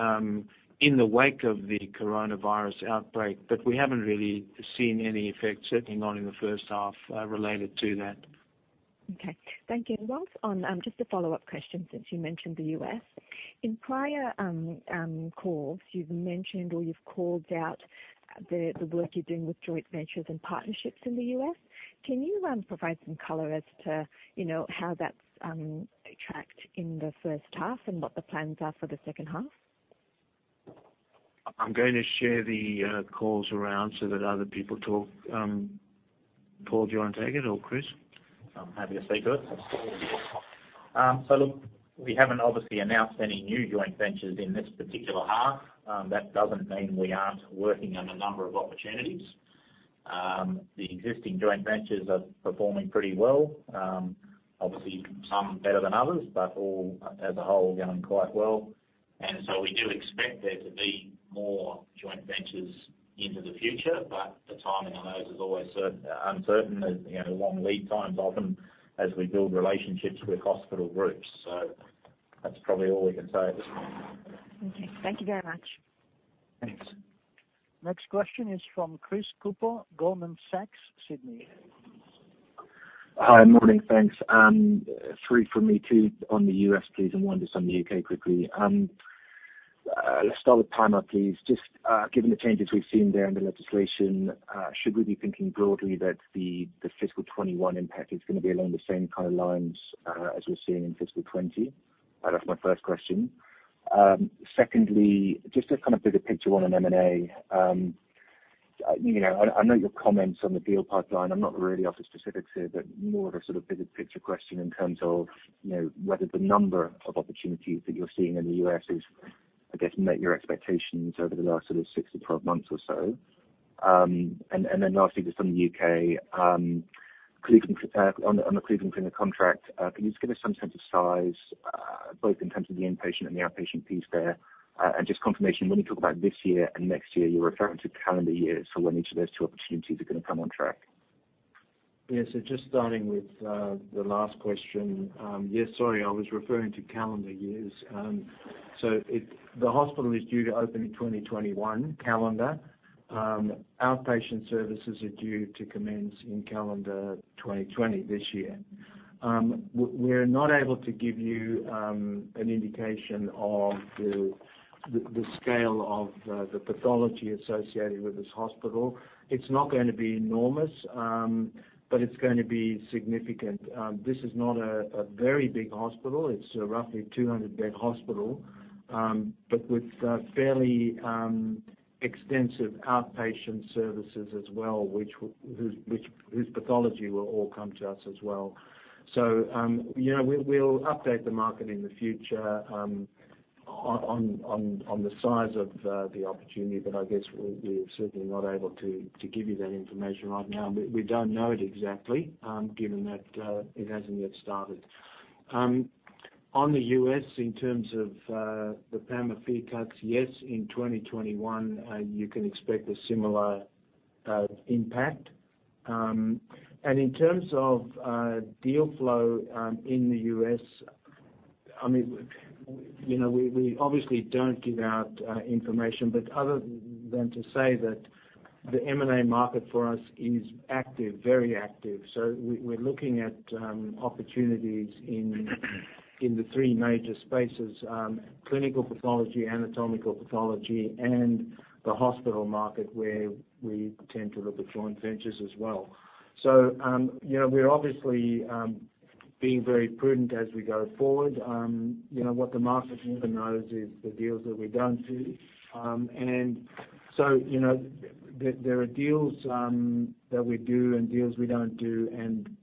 in the wake of the coronavirus outbreak, but we haven't really seen any effects, certainly not in the first half related to that.
Okay. Thank you. Just a follow-up question since you mentioned the U.S. In prior calls, you've mentioned or you've called out the work you're doing with joint ventures and partnerships in the U.S. Can you provide some color as to how that's tracked in the first half and what the plans are for the second half?
I'm going to share the calls around so that other people talk. Paul, do you want to take it or Chris?
I'm happy to speak to it. Look, we haven't obviously announced any new joint ventures in this particular half. That doesn't mean we aren't working on a number of opportunities. The existing joint ventures are performing pretty well. Obviously, some better than others, but all as a whole, going quite well. We do expect there to be more joint ventures into the future, but the timing on those is always uncertain. Long lead times, often, as we build relationships with hospital groups. That's probably all we can say at this point.
Okay. Thank you very much.
Thanks.
Next question is from Chris Cooper, Goldman Sachs, Sydney.
Hi. Morning, thanks. Three from me, two on the U.S., please, and one just on the U.K. quickly. Let's start with PAMA, please. Just given the changes we've seen there in the legislation, should we be thinking broadly that the FY 2021 impact is going to be along the same kind of lines as we're seeing in FY 2020? That was my first question. Secondly, just a kind of bigger picture one on M&A. I know your comments on the deal pipeline. I'm not really after specifics here, but more of a sort of bigger picture question in terms of whether the number of opportunities that you're seeing in the U.S. has, I guess, met your expectations over the last sort of 6 to 12 months or so. Lastly, just on the U.K., on the Cleveland Clinic contract, can you just give us some sense of size, both in terms of the inpatient and the outpatient piece there? Just confirmation, when you talk about this year and next year, you're referring to calendar years for when each of those two opportunities are going to come on track?
Just starting with the last question. Sorry, I was referring to calendar years. The hospital is due to open in 2021 calendar. Outpatient services are due to commence in calendar 2020 this year. We're not able to give you an indication of the scale of the pathology associated with this hospital. It's not going to be enormous, but it's going to be significant. This is not a very big hospital. It's a roughly 200-bed hospital, but with fairly extensive outpatient services as well, whose pathology will all come to us as well. We'll update the market in the future on the size of the opportunity, but I guess we're certainly not able to give you that information right now. We don't know it exactly, given that it hasn't yet started. On the U.S., in terms of the PAMA fee cuts, yes, in 2021, you can expect a similar impact. In terms of deal flow in the U.S., we obviously don't give out information, but other than to say that the M&A market for us is active, very active. We're looking at opportunities in the three major spaces, clinical pathology, anatomical pathology, and the hospital market where we tend to look at joint ventures as well. We're obviously being very prudent as we go forward on what the market never knows is the deals that we don't do. There are deals that we do and deals we don't do, and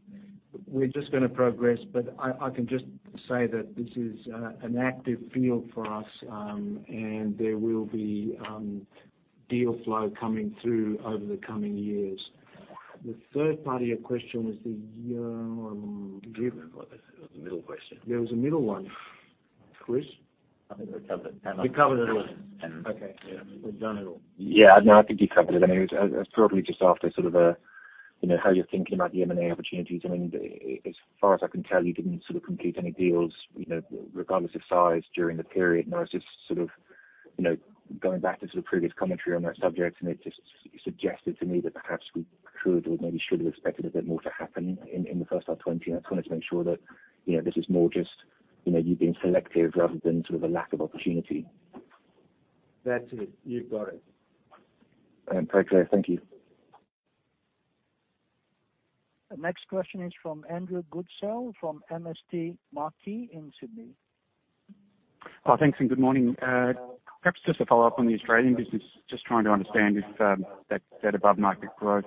we're just going to progress. I can just say that this is an active field for us, and there will be deal flow coming through over the coming years. The third part of your question was.
I can't remember what the middle question.
There was a middle one. Chris?
I think we covered PAMA.
We covered it all.
Yeah.
We've done it all.
Yeah, no, I think you covered it. I was probably just after sort of how you're thinking about the M&A opportunities. I mean, as far as I can tell, you didn't complete any deals regardless of size during the period. I was just sort of going back to sort of previous commentary on that subject, and it just suggested to me that perhaps we could or maybe should have expected a bit more to happen in the first half 2020. I just wanted to make sure that this is more just you being selective rather than sort of a lack of opportunity.
That's it. You've got it.
Okay. Thank you.
The next question is from Andrew Goodsall from MST Marquee in Sydney.
Thanks and good morning. Perhaps just a follow-up on the Australian business. Just trying to understand if that above-market growth,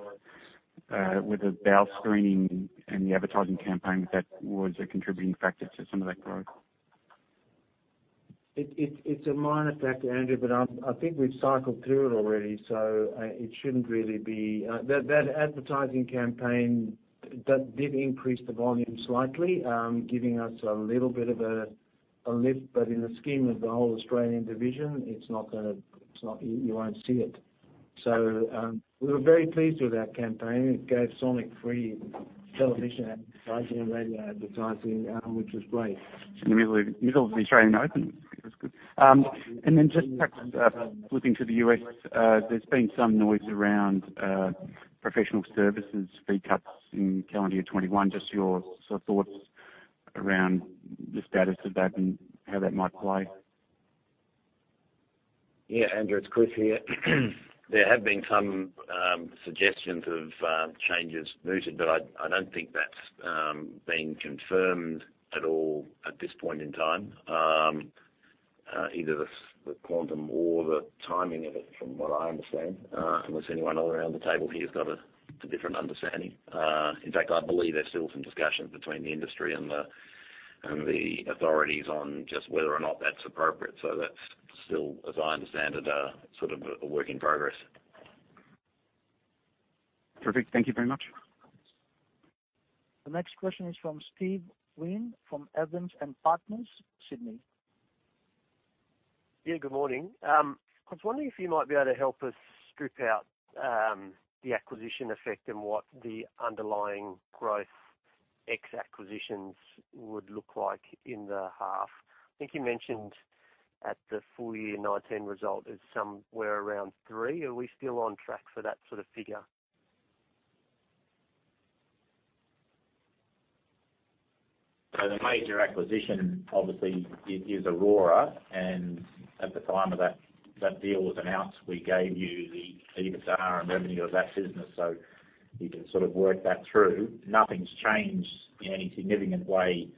with the bowel screening and the advertising campaign, that was a contributing factor to some of that growth.
It's a minor factor, Andrew, but I think we've cycled through it already, so it shouldn't really be. That advertising campaign did increase the volume slightly, giving us a little bit of a lift, but in the scheme of the whole Australian division, you won't see it. We were very pleased with our campaign. It gave Sonic free television advertising and radio advertising, which was great.
In the middle of the Australian Open, that's good. Just perhaps flipping to the U.S., there's been some noise around professional services fee cuts in calendar year 2021. Just your thoughts around the status of that and how that might play?
Yeah, Andrew, it's Chris here. There have been some suggestions of changes mooted, but I don't think that's been confirmed at all at this point in time. Either the quantum or the timing of it, from what I understand, unless anyone around the table here has got a different understanding. In fact, I believe there's still some discussions between the industry and the authorities on just whether or not that's appropriate. That's still, as I understand it, a work in progress.
Perfect. Thank you very much.
The next question is from Steve Wheen from Evans & Partners, Sydney.
Good morning. I was wondering if you might be able to help us strip out the acquisition effect and what the underlying growth ex acquisitions would look like in the half. I think you mentioned at the full year 2019 result it's somewhere around three. Are we still on track for that sort of figure?
The major acquisition obviously is Aurora, and at the time that that deal was announced, we gave you the EBITDA and revenue of that business, so you can sort of work that through. Nothing's changed in any significant way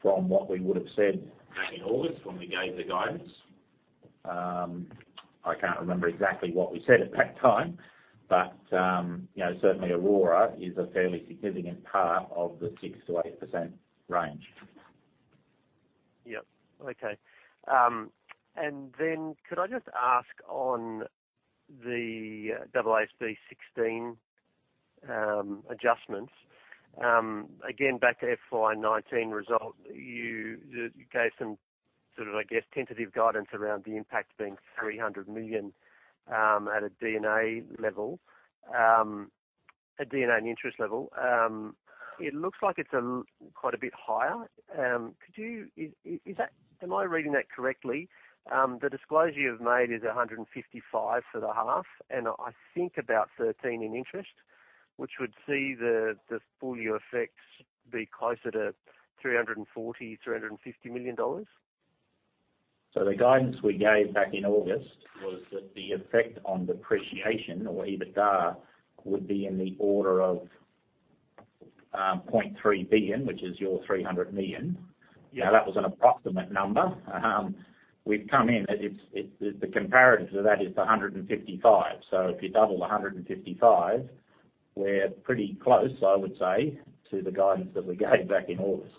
from what we would've said back in August when we gave the guidance. I can't remember exactly what we said at that time, but certainly Aurora is a fairly significant part of the 6%-8% range.
Yep. Okay. Could I just ask on the AASB 16 adjustments, again, back to FY 2019 result, you gave some sort of, I guess, tentative guidance around the impact being 300 million, at a D&A level, at D&A and interest level. It looks like it's quite a bit higher. Am I reading that correctly? The disclosure you've made is 155 for the half, and I think about 13 in interest, which would see the full year effects be closer to 340 million-350 million dollars.
The guidance we gave back in August was that the effect on depreciation or EBITDA would be in the order of 0.3 billion, which is your 300 million.
Yeah.
That was an approximate number. We've come in, the comparative to that is 155. If you double 155, we're pretty close, I would say, to the guidance that we gave back in August.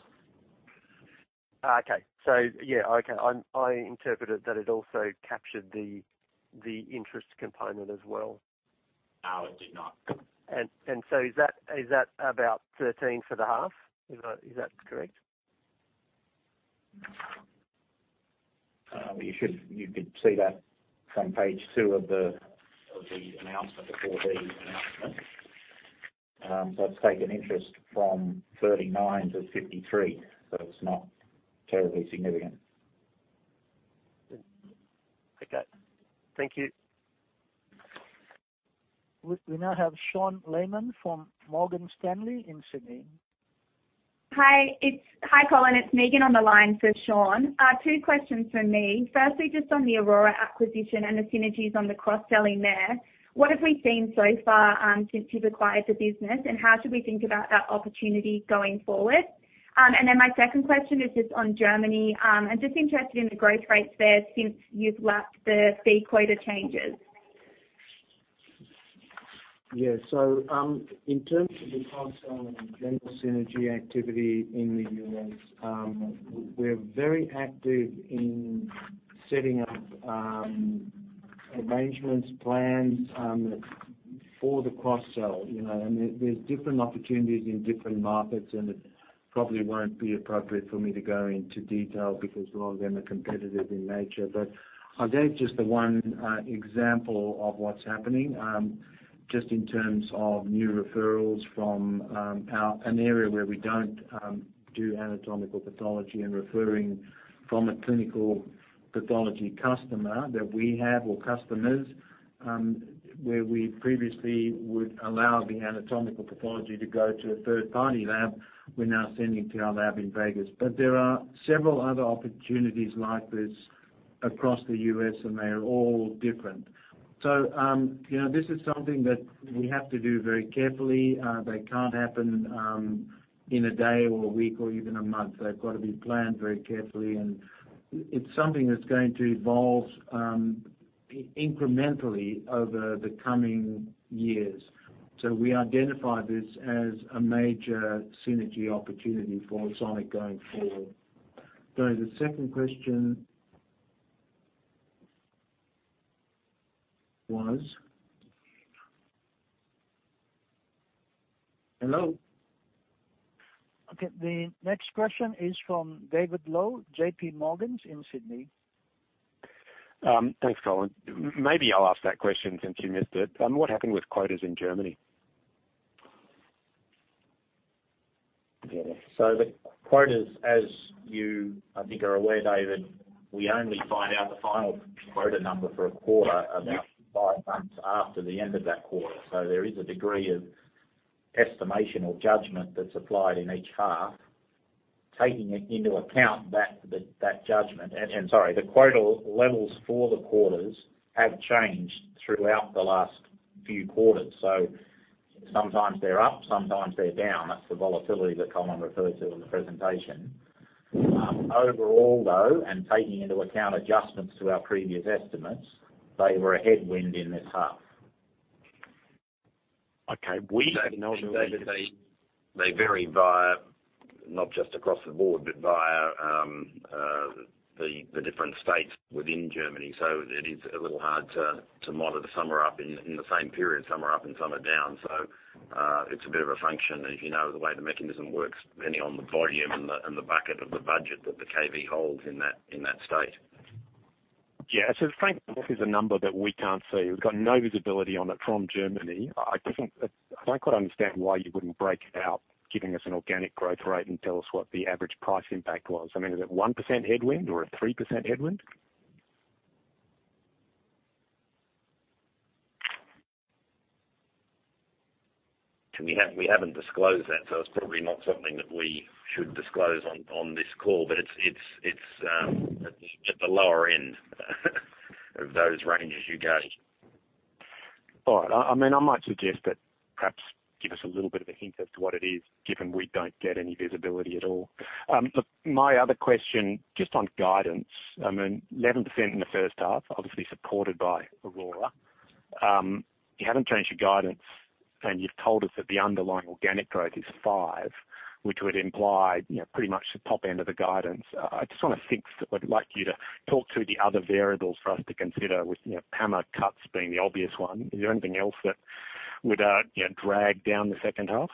Okay. yeah. Okay. I interpreted that it also captured the interest component as well.
No, it did not.
Is that about 13 for the half? Is that correct?
You could see that from page two of the announcement, the 4D announcement. It's taken interest from 39 to 53, it's not terribly significant.
Okay. Thank you.
We now have Sean Lehmann from Morgan Stanley in Sydney.
Hi, Colin. It's Megan on the line for Sean. Two questions from me. Firstly, just on the Aurora acquisition and the synergies on the cross-selling there. What have we seen so far since you've acquired the business, and how should we think about that opportunity going forward? My second question is just on Germany. I'm just interested in the growth rates there since you've lapped the fee quota changes.
Yeah. In terms of the cross-selling and general synergy activity in the U.S., we're very active in setting up arrangements, plans, for the cross-sell. There's different opportunities in different markets, and it probably won't be appropriate for me to go into detail because a lot of them are competitive in nature. I'll give just the one example of what's happening, just in terms of new referrals from an area where we don't do anatomical pathology and referring from a clinical pathology customer that we have or customers, where we previously would allow the anatomical pathology to go to a third-party lab. We're now sending it to our lab in Vegas. There are several other opportunities like this across the U.S., and they're all different. This is something that we have to do very carefully. They can't happen in a day or a week or even a month. They've got to be planned very carefully, and it's something that's going to evolve incrementally over the coming years. We identify this as a major synergy opportunity for Sonic going forward. Sorry, the second question was? Hello?
Okay, the next question is from David Low, JPMorgan in Sydney.
Thanks, Colin. Maybe I'll ask that question since you missed it. What happened with quotas in Germany?
The quotas, as you, I think, are aware, David, we only find out the final quota number for a quarter about five months after the end of that quarter. There is a degree of estimation or judgment that's applied in each half. Taking into account that judgment, and sorry, the quota levels for the quarters have changed throughout the last few quarters. Sometimes they're up, sometimes they're down. That's the volatility that Colin referred to in the presentation. Overall, though, and taking into account adjustments to our previous estimates, they were a headwind in this half.
Okay. We have no visibility.
David, they vary via not just across the board, but via the different states within Germany. It is a little hard to model. Some are up in the same period, some are up, and some are down. It's a bit of a function, as you know, the way the mechanism works, depending on the volume and the bucket of the budget that the KV holds in that state.
Yeah. Frankly, this is a number that we can't see. We've got no visibility on it from Germany. I don't quite understand why you wouldn't break it out, giving us an organic growth rate and tell us what the average price impact was. I mean, is it a 1% headwind or a 3% headwind?
We haven't disclosed that, so it's probably not something that we should disclose on this call, but it's at the lower end of those ranges you gave.
All right. I might suggest that perhaps give us a little bit of a hint as to what it is, given we don't get any visibility at all. Look, my other question, just on guidance, 11% in the first half, obviously supported by Aurora. You haven't changed your guidance, and you've told us that the underlying organic growth is five, which would imply pretty much the top end of the guidance. I just want to think, I'd like you to talk to the other variables for us to consider with PAMA cuts being the obvious one. Is there anything else that would drag down the second half?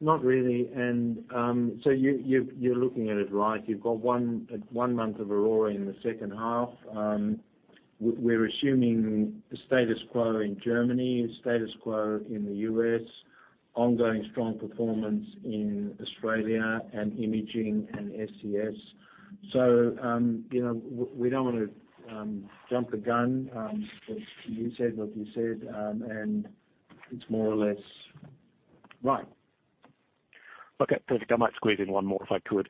Not really. You're looking at it right. You've got one month of Aurora in the second half. We're assuming the status quo in Germany, status quo in the U.S., ongoing strong performance in Australia and imaging and SCS. We don't want to jump the gun. As you said what you said, it's more or less right.
Okay, perfect. I might squeeze in one more if I could.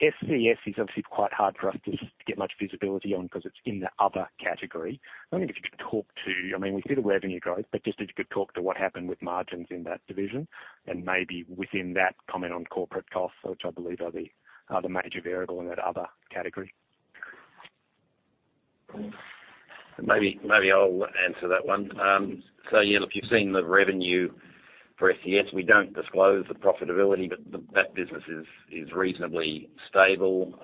SCS is obviously quite hard for us to get much visibility on because it's in the other category. I wonder if you could talk to, I mean, we see the revenue growth, but just if you could talk to what happened with margins in that division and maybe within that comment on corporate costs, which I believe are the major variable in that other category.
Maybe I'll answer that one. Yeah, look, you've seen the revenue for SCS. We don't disclose the profitability, but that business is reasonably stable.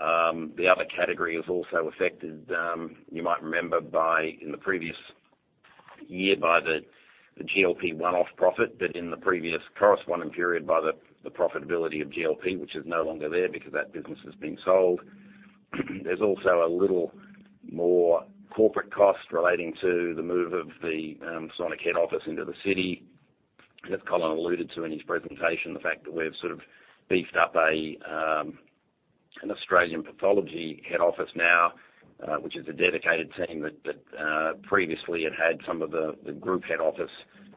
The other category is also affected, you might remember, in the previous year by the GLP one-off profit, but in the previous corresponding period by the profitability of GLP, which is no longer there because that business has been sold. There's also a little more corporate cost relating to the move of the Sonic head office into the city. As Colin alluded to in his presentation, the fact that we've sort of beefed up an Australian pathology head office now, which is a dedicated team that previously had some of the group head office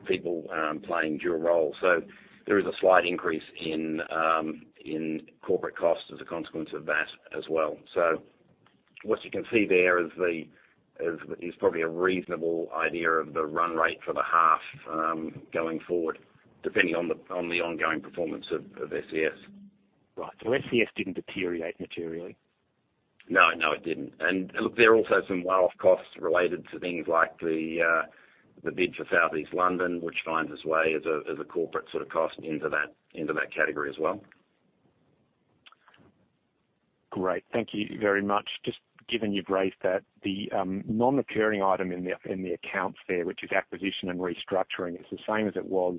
people playing dual roles. There is a slight increase in corporate costs as a consequence of that as well. What you can see there is probably a reasonable idea of the run rate for the half, going forward, depending on the ongoing performance of SCS.
SCS didn't deteriorate materially?
No, it didn't. Look, there are also some one-off costs related to things like the bid for Southeast London, which finds its way as a corporate sort of cost into that category as well.
Great. Thank you very much. Just given you briefed that the non-recurring item in the accounts there, which is acquisition and restructuring, is the same as it was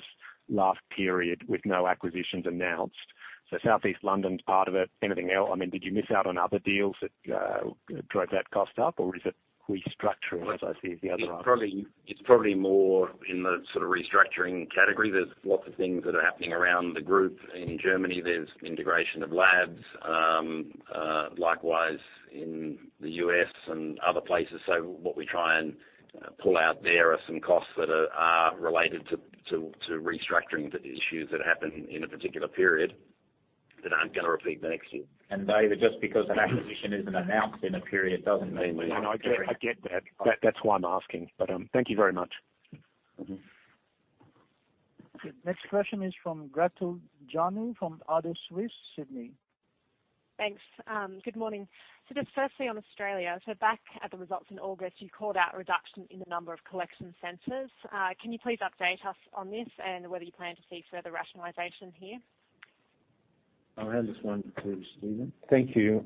last period with no acquisitions announced. Southeast London's part of it. Anything else? I mean, did you miss out on other deals that drove that cost up, or is it restructuring, as I see as the other item?
It's probably more in the sort of restructuring category. There's lots of things that are happening around the group. In Germany, there's integration of labs. Likewise, in the U.S. and other places. What we try and pull out, there are some costs that are related to restructuring issues that happen in a particular period that aren't going to repeat the next year.
David, just because an acquisition isn't announced in a period doesn't mean we aren't-
No, I get that. That's why I'm asking. Thank you very much.
Next question is from Gretel Janu from Credit Suisse, Sydney.
Thanks. Good morning. Just firstly on Australia, back at the results in August, you called out reduction in the number of collection centers. Can you please update us on this and whether you plan to see further rationalization here?
I'll hand this one to Stephen.
Thank you.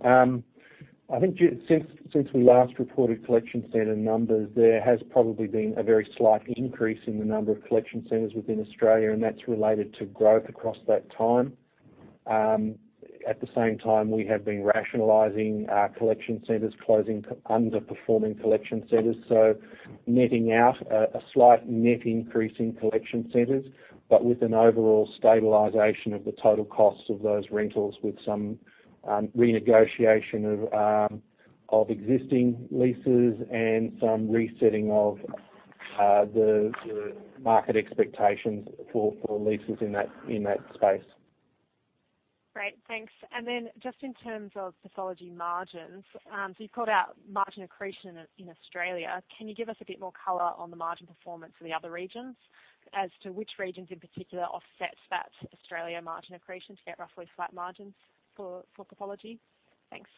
I think since we last reported collection center numbers, there has probably been a very slight increase in the number of collection centers within Australia, and that's related to growth across that time. At the same time, we have been rationalizing our collection centers, closing underperforming collection centers. Netting out, a slight net increase in collection centers, but with an overall stabilization of the total cost of those rentals with some renegotiation of existing leases and some resetting of the market expectations for leases in that space.
Great, thanks. Just in terms of pathology margins, so you called out margin accretion in Australia. Can you give us a bit more color on the margin performance for the other regions as to which regions in particular offset that Australia margin accretion to get roughly flat margins for pathology? Thanks.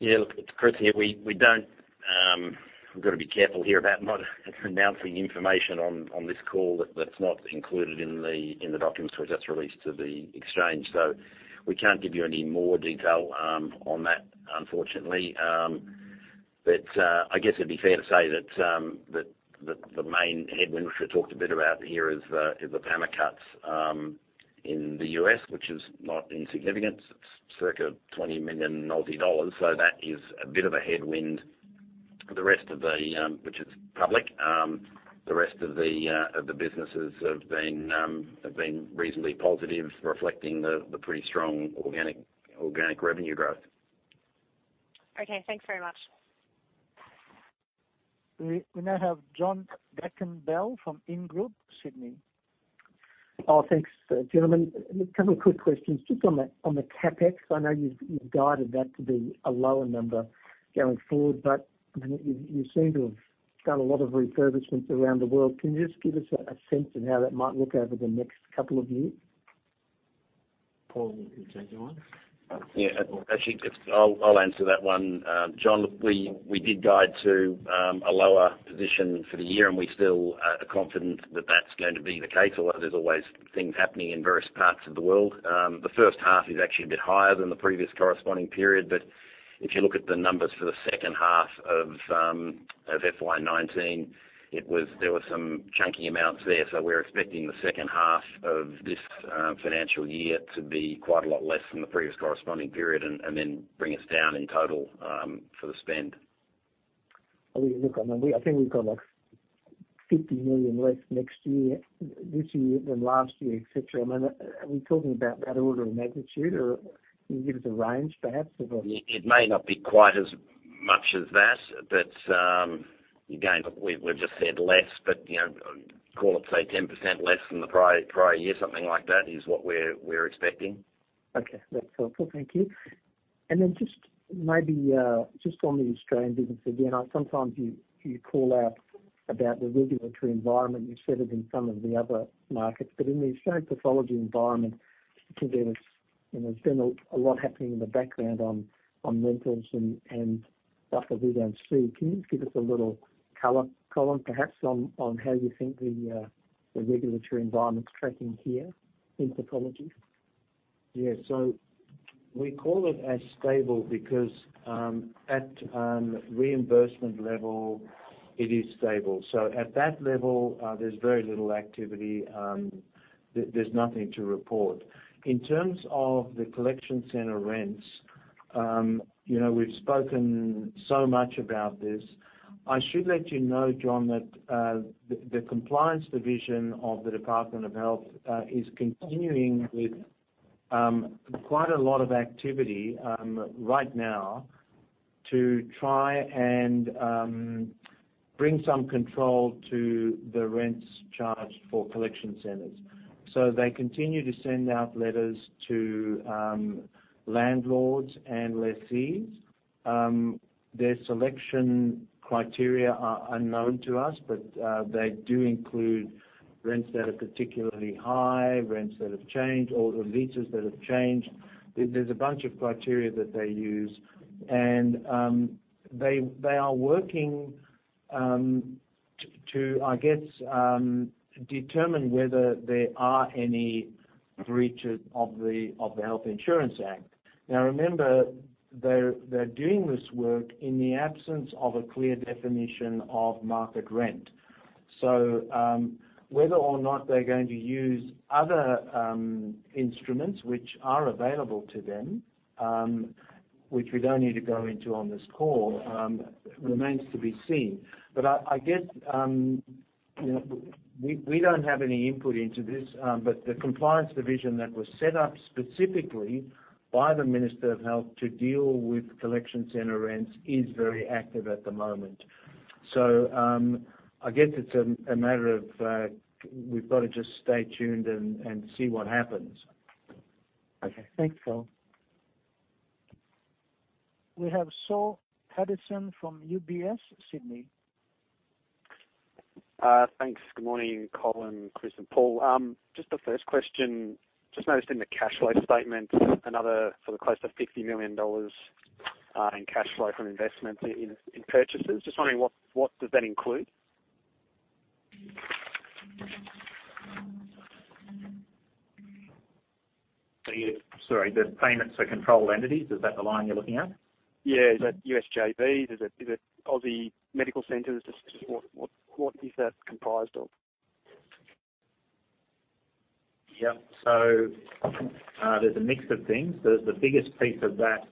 Look, it's Chris here. We've got to be careful here about not announcing information on this call that's not included in the documents which gets released to the exchange. We can't give you any more detail on that, unfortunately. I guess it'd be fair to say that the main headwind which we talked a bit about here is the PAMA cuts in the U.S., which is not insignificant. It's circa 20 million Aussie dollars, that is a bit of a headwind, which is public. The rest of the businesses have been reasonably positive, reflecting the pretty strong organic revenue growth.
Okay, thanks very much.
We now have [John Bracewell] from [Ingrup] Sydney.
Thanks, gentlemen. A couple of quick questions. Just on the CapEx, I know you've guided that to be a lower number going forward, but you seem to have done a lot of refurbishment around the world. Can you just give us a sense of how that might look over the next couple of years?
Paul can take that one.
Actually, I'll answer that one. [John] look, we did guide to a lower position for the year, and we still are confident that that's going to be the case, although there's always things happening in various parts of the world. The first half is actually a bit higher than the previous corresponding period, but if you look at the numbers for the second half of FY 2019, there were some chunky amounts there. We're expecting the second half of this financial year to be quite a lot less than the previous corresponding period and then bring us down in total for the spend.
Look, I think we've got like 50 million less this year than last year, et cetera. Are we talking about that order of magnitude, or can you give us a range, perhaps, of them?
It may not be quite as much as that, but again, we've just said less, but call it, say, 10% less than the prior year, something like that is what we're expecting.
Okay, that's helpful. Thank you. Then just maybe just on the Australian business again, sometimes you call out about the regulatory environment. You said it in some of the other markets. In the Australian pathology environment particularly, there's been a lot happening in the background on rentals and stuff of that nature. Can you give us a little color, Colin, perhaps, on how you think the regulatory environment's tracking here in pathology?
Yeah. We call it as stable because, at reimbursement level, it is stable. At that level, there's very little activity. There's nothing to report. In terms of the collection center rents, we've spoken so much about this. I should let you know [John] that the compliance division of the Department of Health is continuing with quite a lot of activity right now to try and bring some control to the rents charged for collection centers. They continue to send out letters to landlords and lessees. Their selection criteria are unknown to us, but they do include rents that are particularly high, rents that have changed, or leases that have changed. There's a bunch of criteria that they use, and they are working to, I guess, determine whether there are any breaches of the Health Insurance Act. Remember, they're doing this work in the absence of a clear definition of market rent. Whether or not they're going to use other instruments which are available to them, which we don't need to go into on this call, remains to be seen. I guess, we don't have any input into this, but the compliance division that was set up specifically by the Minister of Health to deal with collection center rents is very active at the moment. I guess it's a matter of, we've got to just stay tuned and see what happens.
Okay. Thanks, Colin.
We have Saul Hadassin from UBS, Sydney.
Thanks. Good morning, Colin, Chris, and Paul. Just the first question, just noticed in the cash flow statement another sort of close to 50 million dollars in cash flow from investments in purchases. Just wondering what does that include?
Sorry, the payments are controlled entities. Is that the line you're looking at?
Yeah. Is that U.S. JV? Is it Aussie Medical Centers? Just what is that comprised of?
Yep. There's a mix of things. The biggest piece of that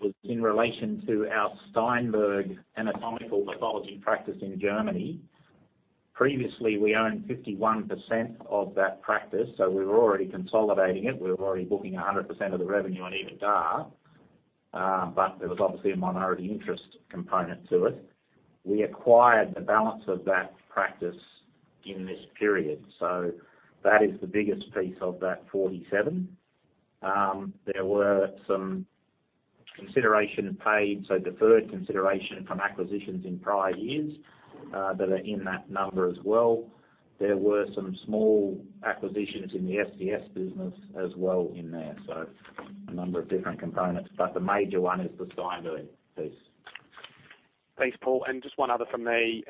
was in relation to our Steinberg anatomical pathology practice in Germany. Previously, we owned 51% of that practice, so we were already consolidating it. We were already booking 100% of the revenue and EBITDA, but there was obviously a minority interest component to it. We acquired the balance of that practice in this period. That is the biggest piece of that 47. There were some consideration paid, so deferred consideration from acquisitions in prior years, that are in that number as well. There were some small acquisitions in the SCS business as well in there, so a number of different components. The major one is the Steinberg piece.
Thanks, Paul. Just one other from me.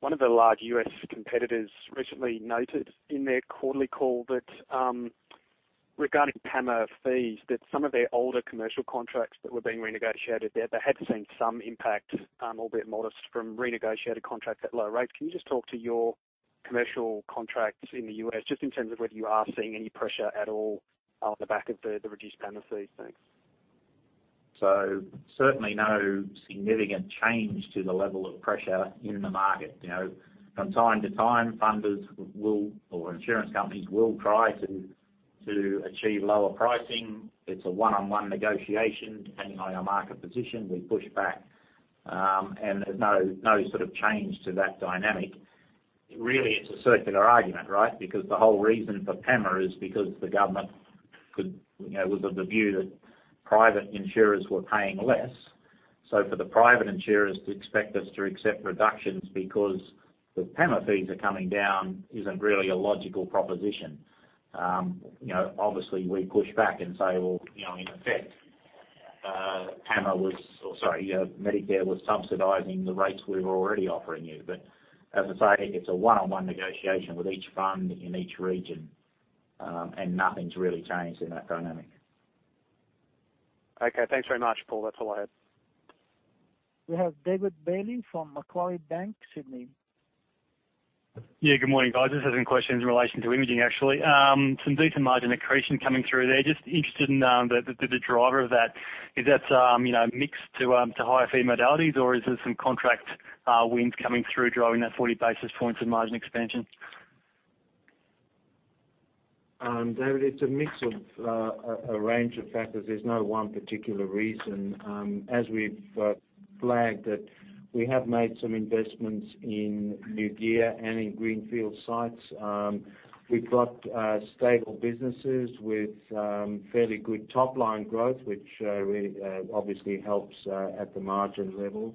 One of the large U.S. competitors recently noted in their quarterly call that, regarding PAMA fees, that some of their older commercial contracts that were being renegotiated there, they had seen some impact, albeit modest, from renegotiated contracts at lower rates. Can you just talk to your commercial contracts in the U.S. just in terms of whether you are seeing any pressure at all on the back of the reduced PAMA fees? Thanks.
Certainly no significant change to the level of pressure in the market. From time to time, funders or insurance companies will try to achieve lower pricing. It's a one-on-one negotiation. Depending on our market position, we push back. There's no sort of change to that dynamic. Really, it's a circular argument, right? Because the whole reason for PAMA is because the government was of the view that private insurers were paying less. For the private insurers to expect us to accept reductions because the PAMA fees are coming down isn't really a logical proposition. Obviously, we push back and say, "Well, in effect, Medicare was subsidizing the rates we were already offering you." As I say, it's a one-on-one negotiation with each fund in each region, and nothing's really changed in that dynamic.
Okay, thanks very much, Paul. That's all I had.
We have David Bailey from Macquarie Bank, Sydney.
Yeah, good morning, guys. Just have some questions in relation to imaging, actually. Some decent margin accretion coming through there. Just interested in the driver of that. Is that mixed to higher fee modalities, or is there some contract wins coming through driving that 40 basis points in margin expansion?
David, it's a mix of a range of factors. There's no one particular reason. As we've flagged, we have made some investments in new gear and in greenfield sites. We've got stable businesses with fairly good top-line growth, which obviously helps at the margin level.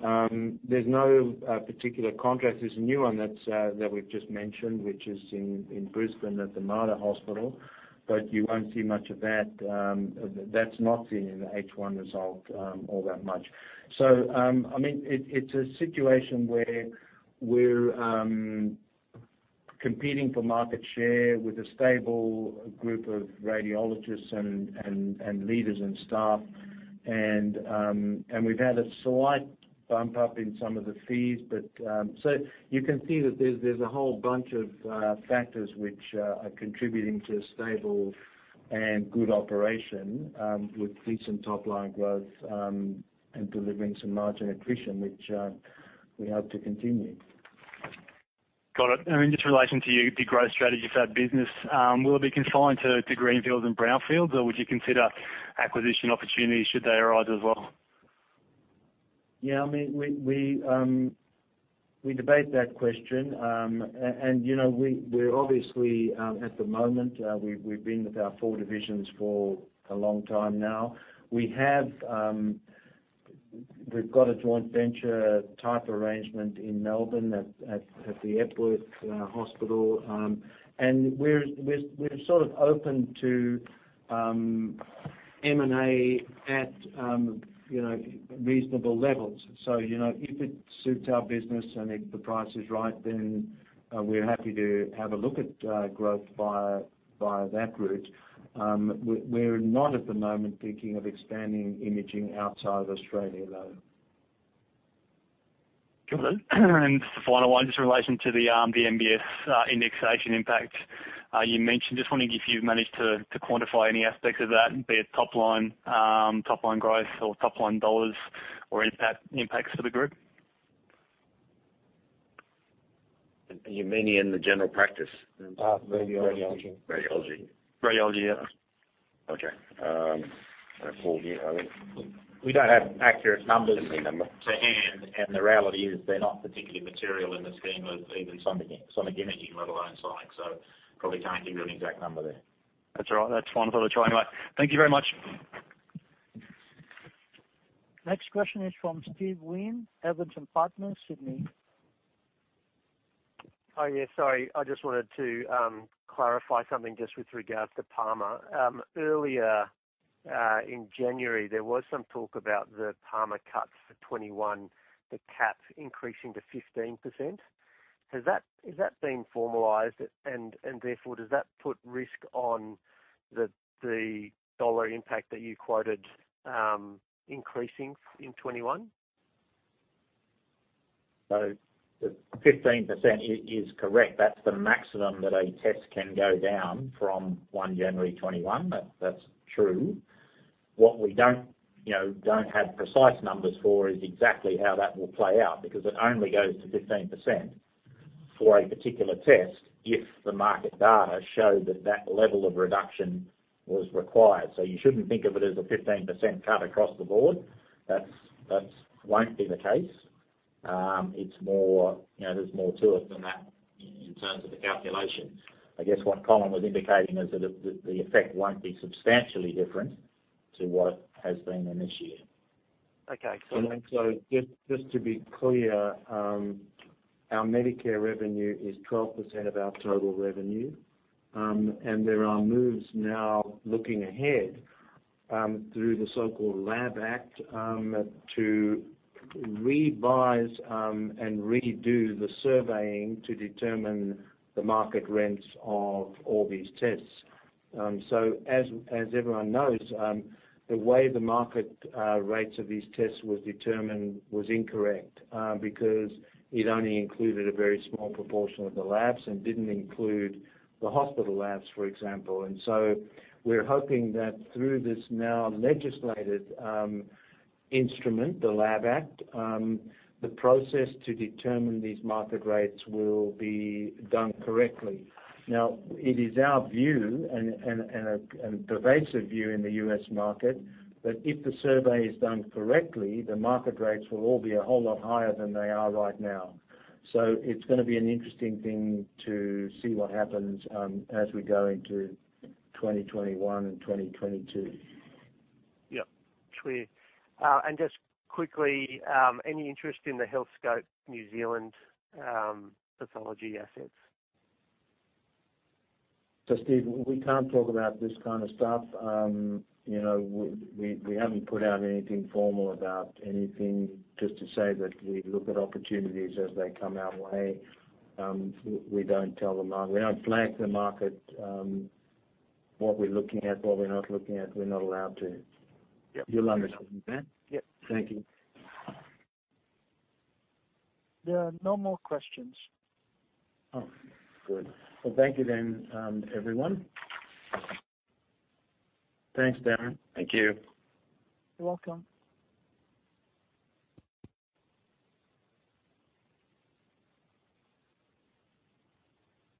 There's no particular contract. There's a new one that we've just mentioned, which is in Brisbane at the Mater Hospital, but you won't see much of that. That's not in the H1 result all that much. It's a situation where we're competing for market share with a stable group of radiologists and leaders and staff. We've had a slight bump up in some of the fees. You can see that there's a whole bunch of factors which are contributing to a stable and good operation, with decent top-line growth, and delivering some margin accretion, which we hope to continue.
Got it. Just in relation to the growth strategy for that business, will it be confined to greenfields and brownfields, or would you consider acquisition opportunities should they arise as well?
Yeah, we debate that question. We're obviously, at the moment, we've been with our four divisions for a long time now. We've got a joint venture type arrangement in Melbourne at the Epworth Hospital. We're sort of open to M&A at reasonable levels. If it suits our business and if the price is right, then we're happy to have a look at growth via that route. We're not at the moment thinking of expanding imaging outside of Australia, though.
Got it. Final one, just in relation to the MBS indexation impact. You mentioned, just wondering if you've managed to quantify any aspect of that, be it top-line growth or top-line dollars or impacts to the group?
You mean in the general practice?
Radiology.
Radiology.
Radiology, yeah.
Okay. Paul, do you have it?
We don't have accurate numbers.
Doesn't have a number?
To hand, the reality is they're not particularly material in the scheme of even Sonic Imaging, let alone Sonic. Probably can't give you an exact number there.
That's all right. That's fine. Thought I'd try anyway. Thank you very much.
Next question is from Steve Wheen Evans & Partners, Sydney.
Oh, yeah, sorry. I just wanted to clarify something just with regards to PAMA. Earlier in January, there was some talk about the PAMA cuts for 2021, the cap increasing to 15%. Has that been formalized? Therefore, does that put risk on the dollar impact that you quoted increasing in 2021?
The 15% is correct. That is the maximum that a test can go down from January 1, 2021. That is true. What we don't have precise numbers for is exactly how that will play out, because it only goes to 15% for a particular test if the market data show that that level of reduction was required. You shouldn't think of it as a 15% cut across the board. That won't be the case. There's more to it than that in terms of the calculations. I guess what Colin was indicating is that the effect won't be substantially different to what has been initiated.
Okay, cool.
Just to be clear, our Medicare revenue is 12% of our total revenue, there are moves now looking ahead, through the so-called LAB Act, to revise and redo the surveying to determine the market rents of all these tests. As everyone knows, the way the market rates of these tests was determined was incorrect, because it only included a very small proportion of the labs and didn't include the hospital labs, for example. We're hoping that through this now legislated instrument, the LAB Act, the process to determine these market rates will be done correctly. It is our view, and a pervasive view in the U.S. market, that if the survey is done correctly, the market rates will all be a whole lot higher than they are right now. It's going to be an interesting thing to see what happens, as we go into 2021 and 2022.
Yep. It's weird. Just quickly, any interest in the Healthscope New Zealand pathology assets?
Steve, we can't talk about this kind of stuff. We haven't put out anything formal about anything, just to say that we look at opportunities as they come our way. We don't flag the market, what we're looking at, what we're not looking at. We're not allowed to.
Yep.
You'll understand.
Yep.
Thank you.
There are no more questions.
Oh, good. Well, thank you then everyone.
Thanks, Daryl.
Thank you.
You're welcome.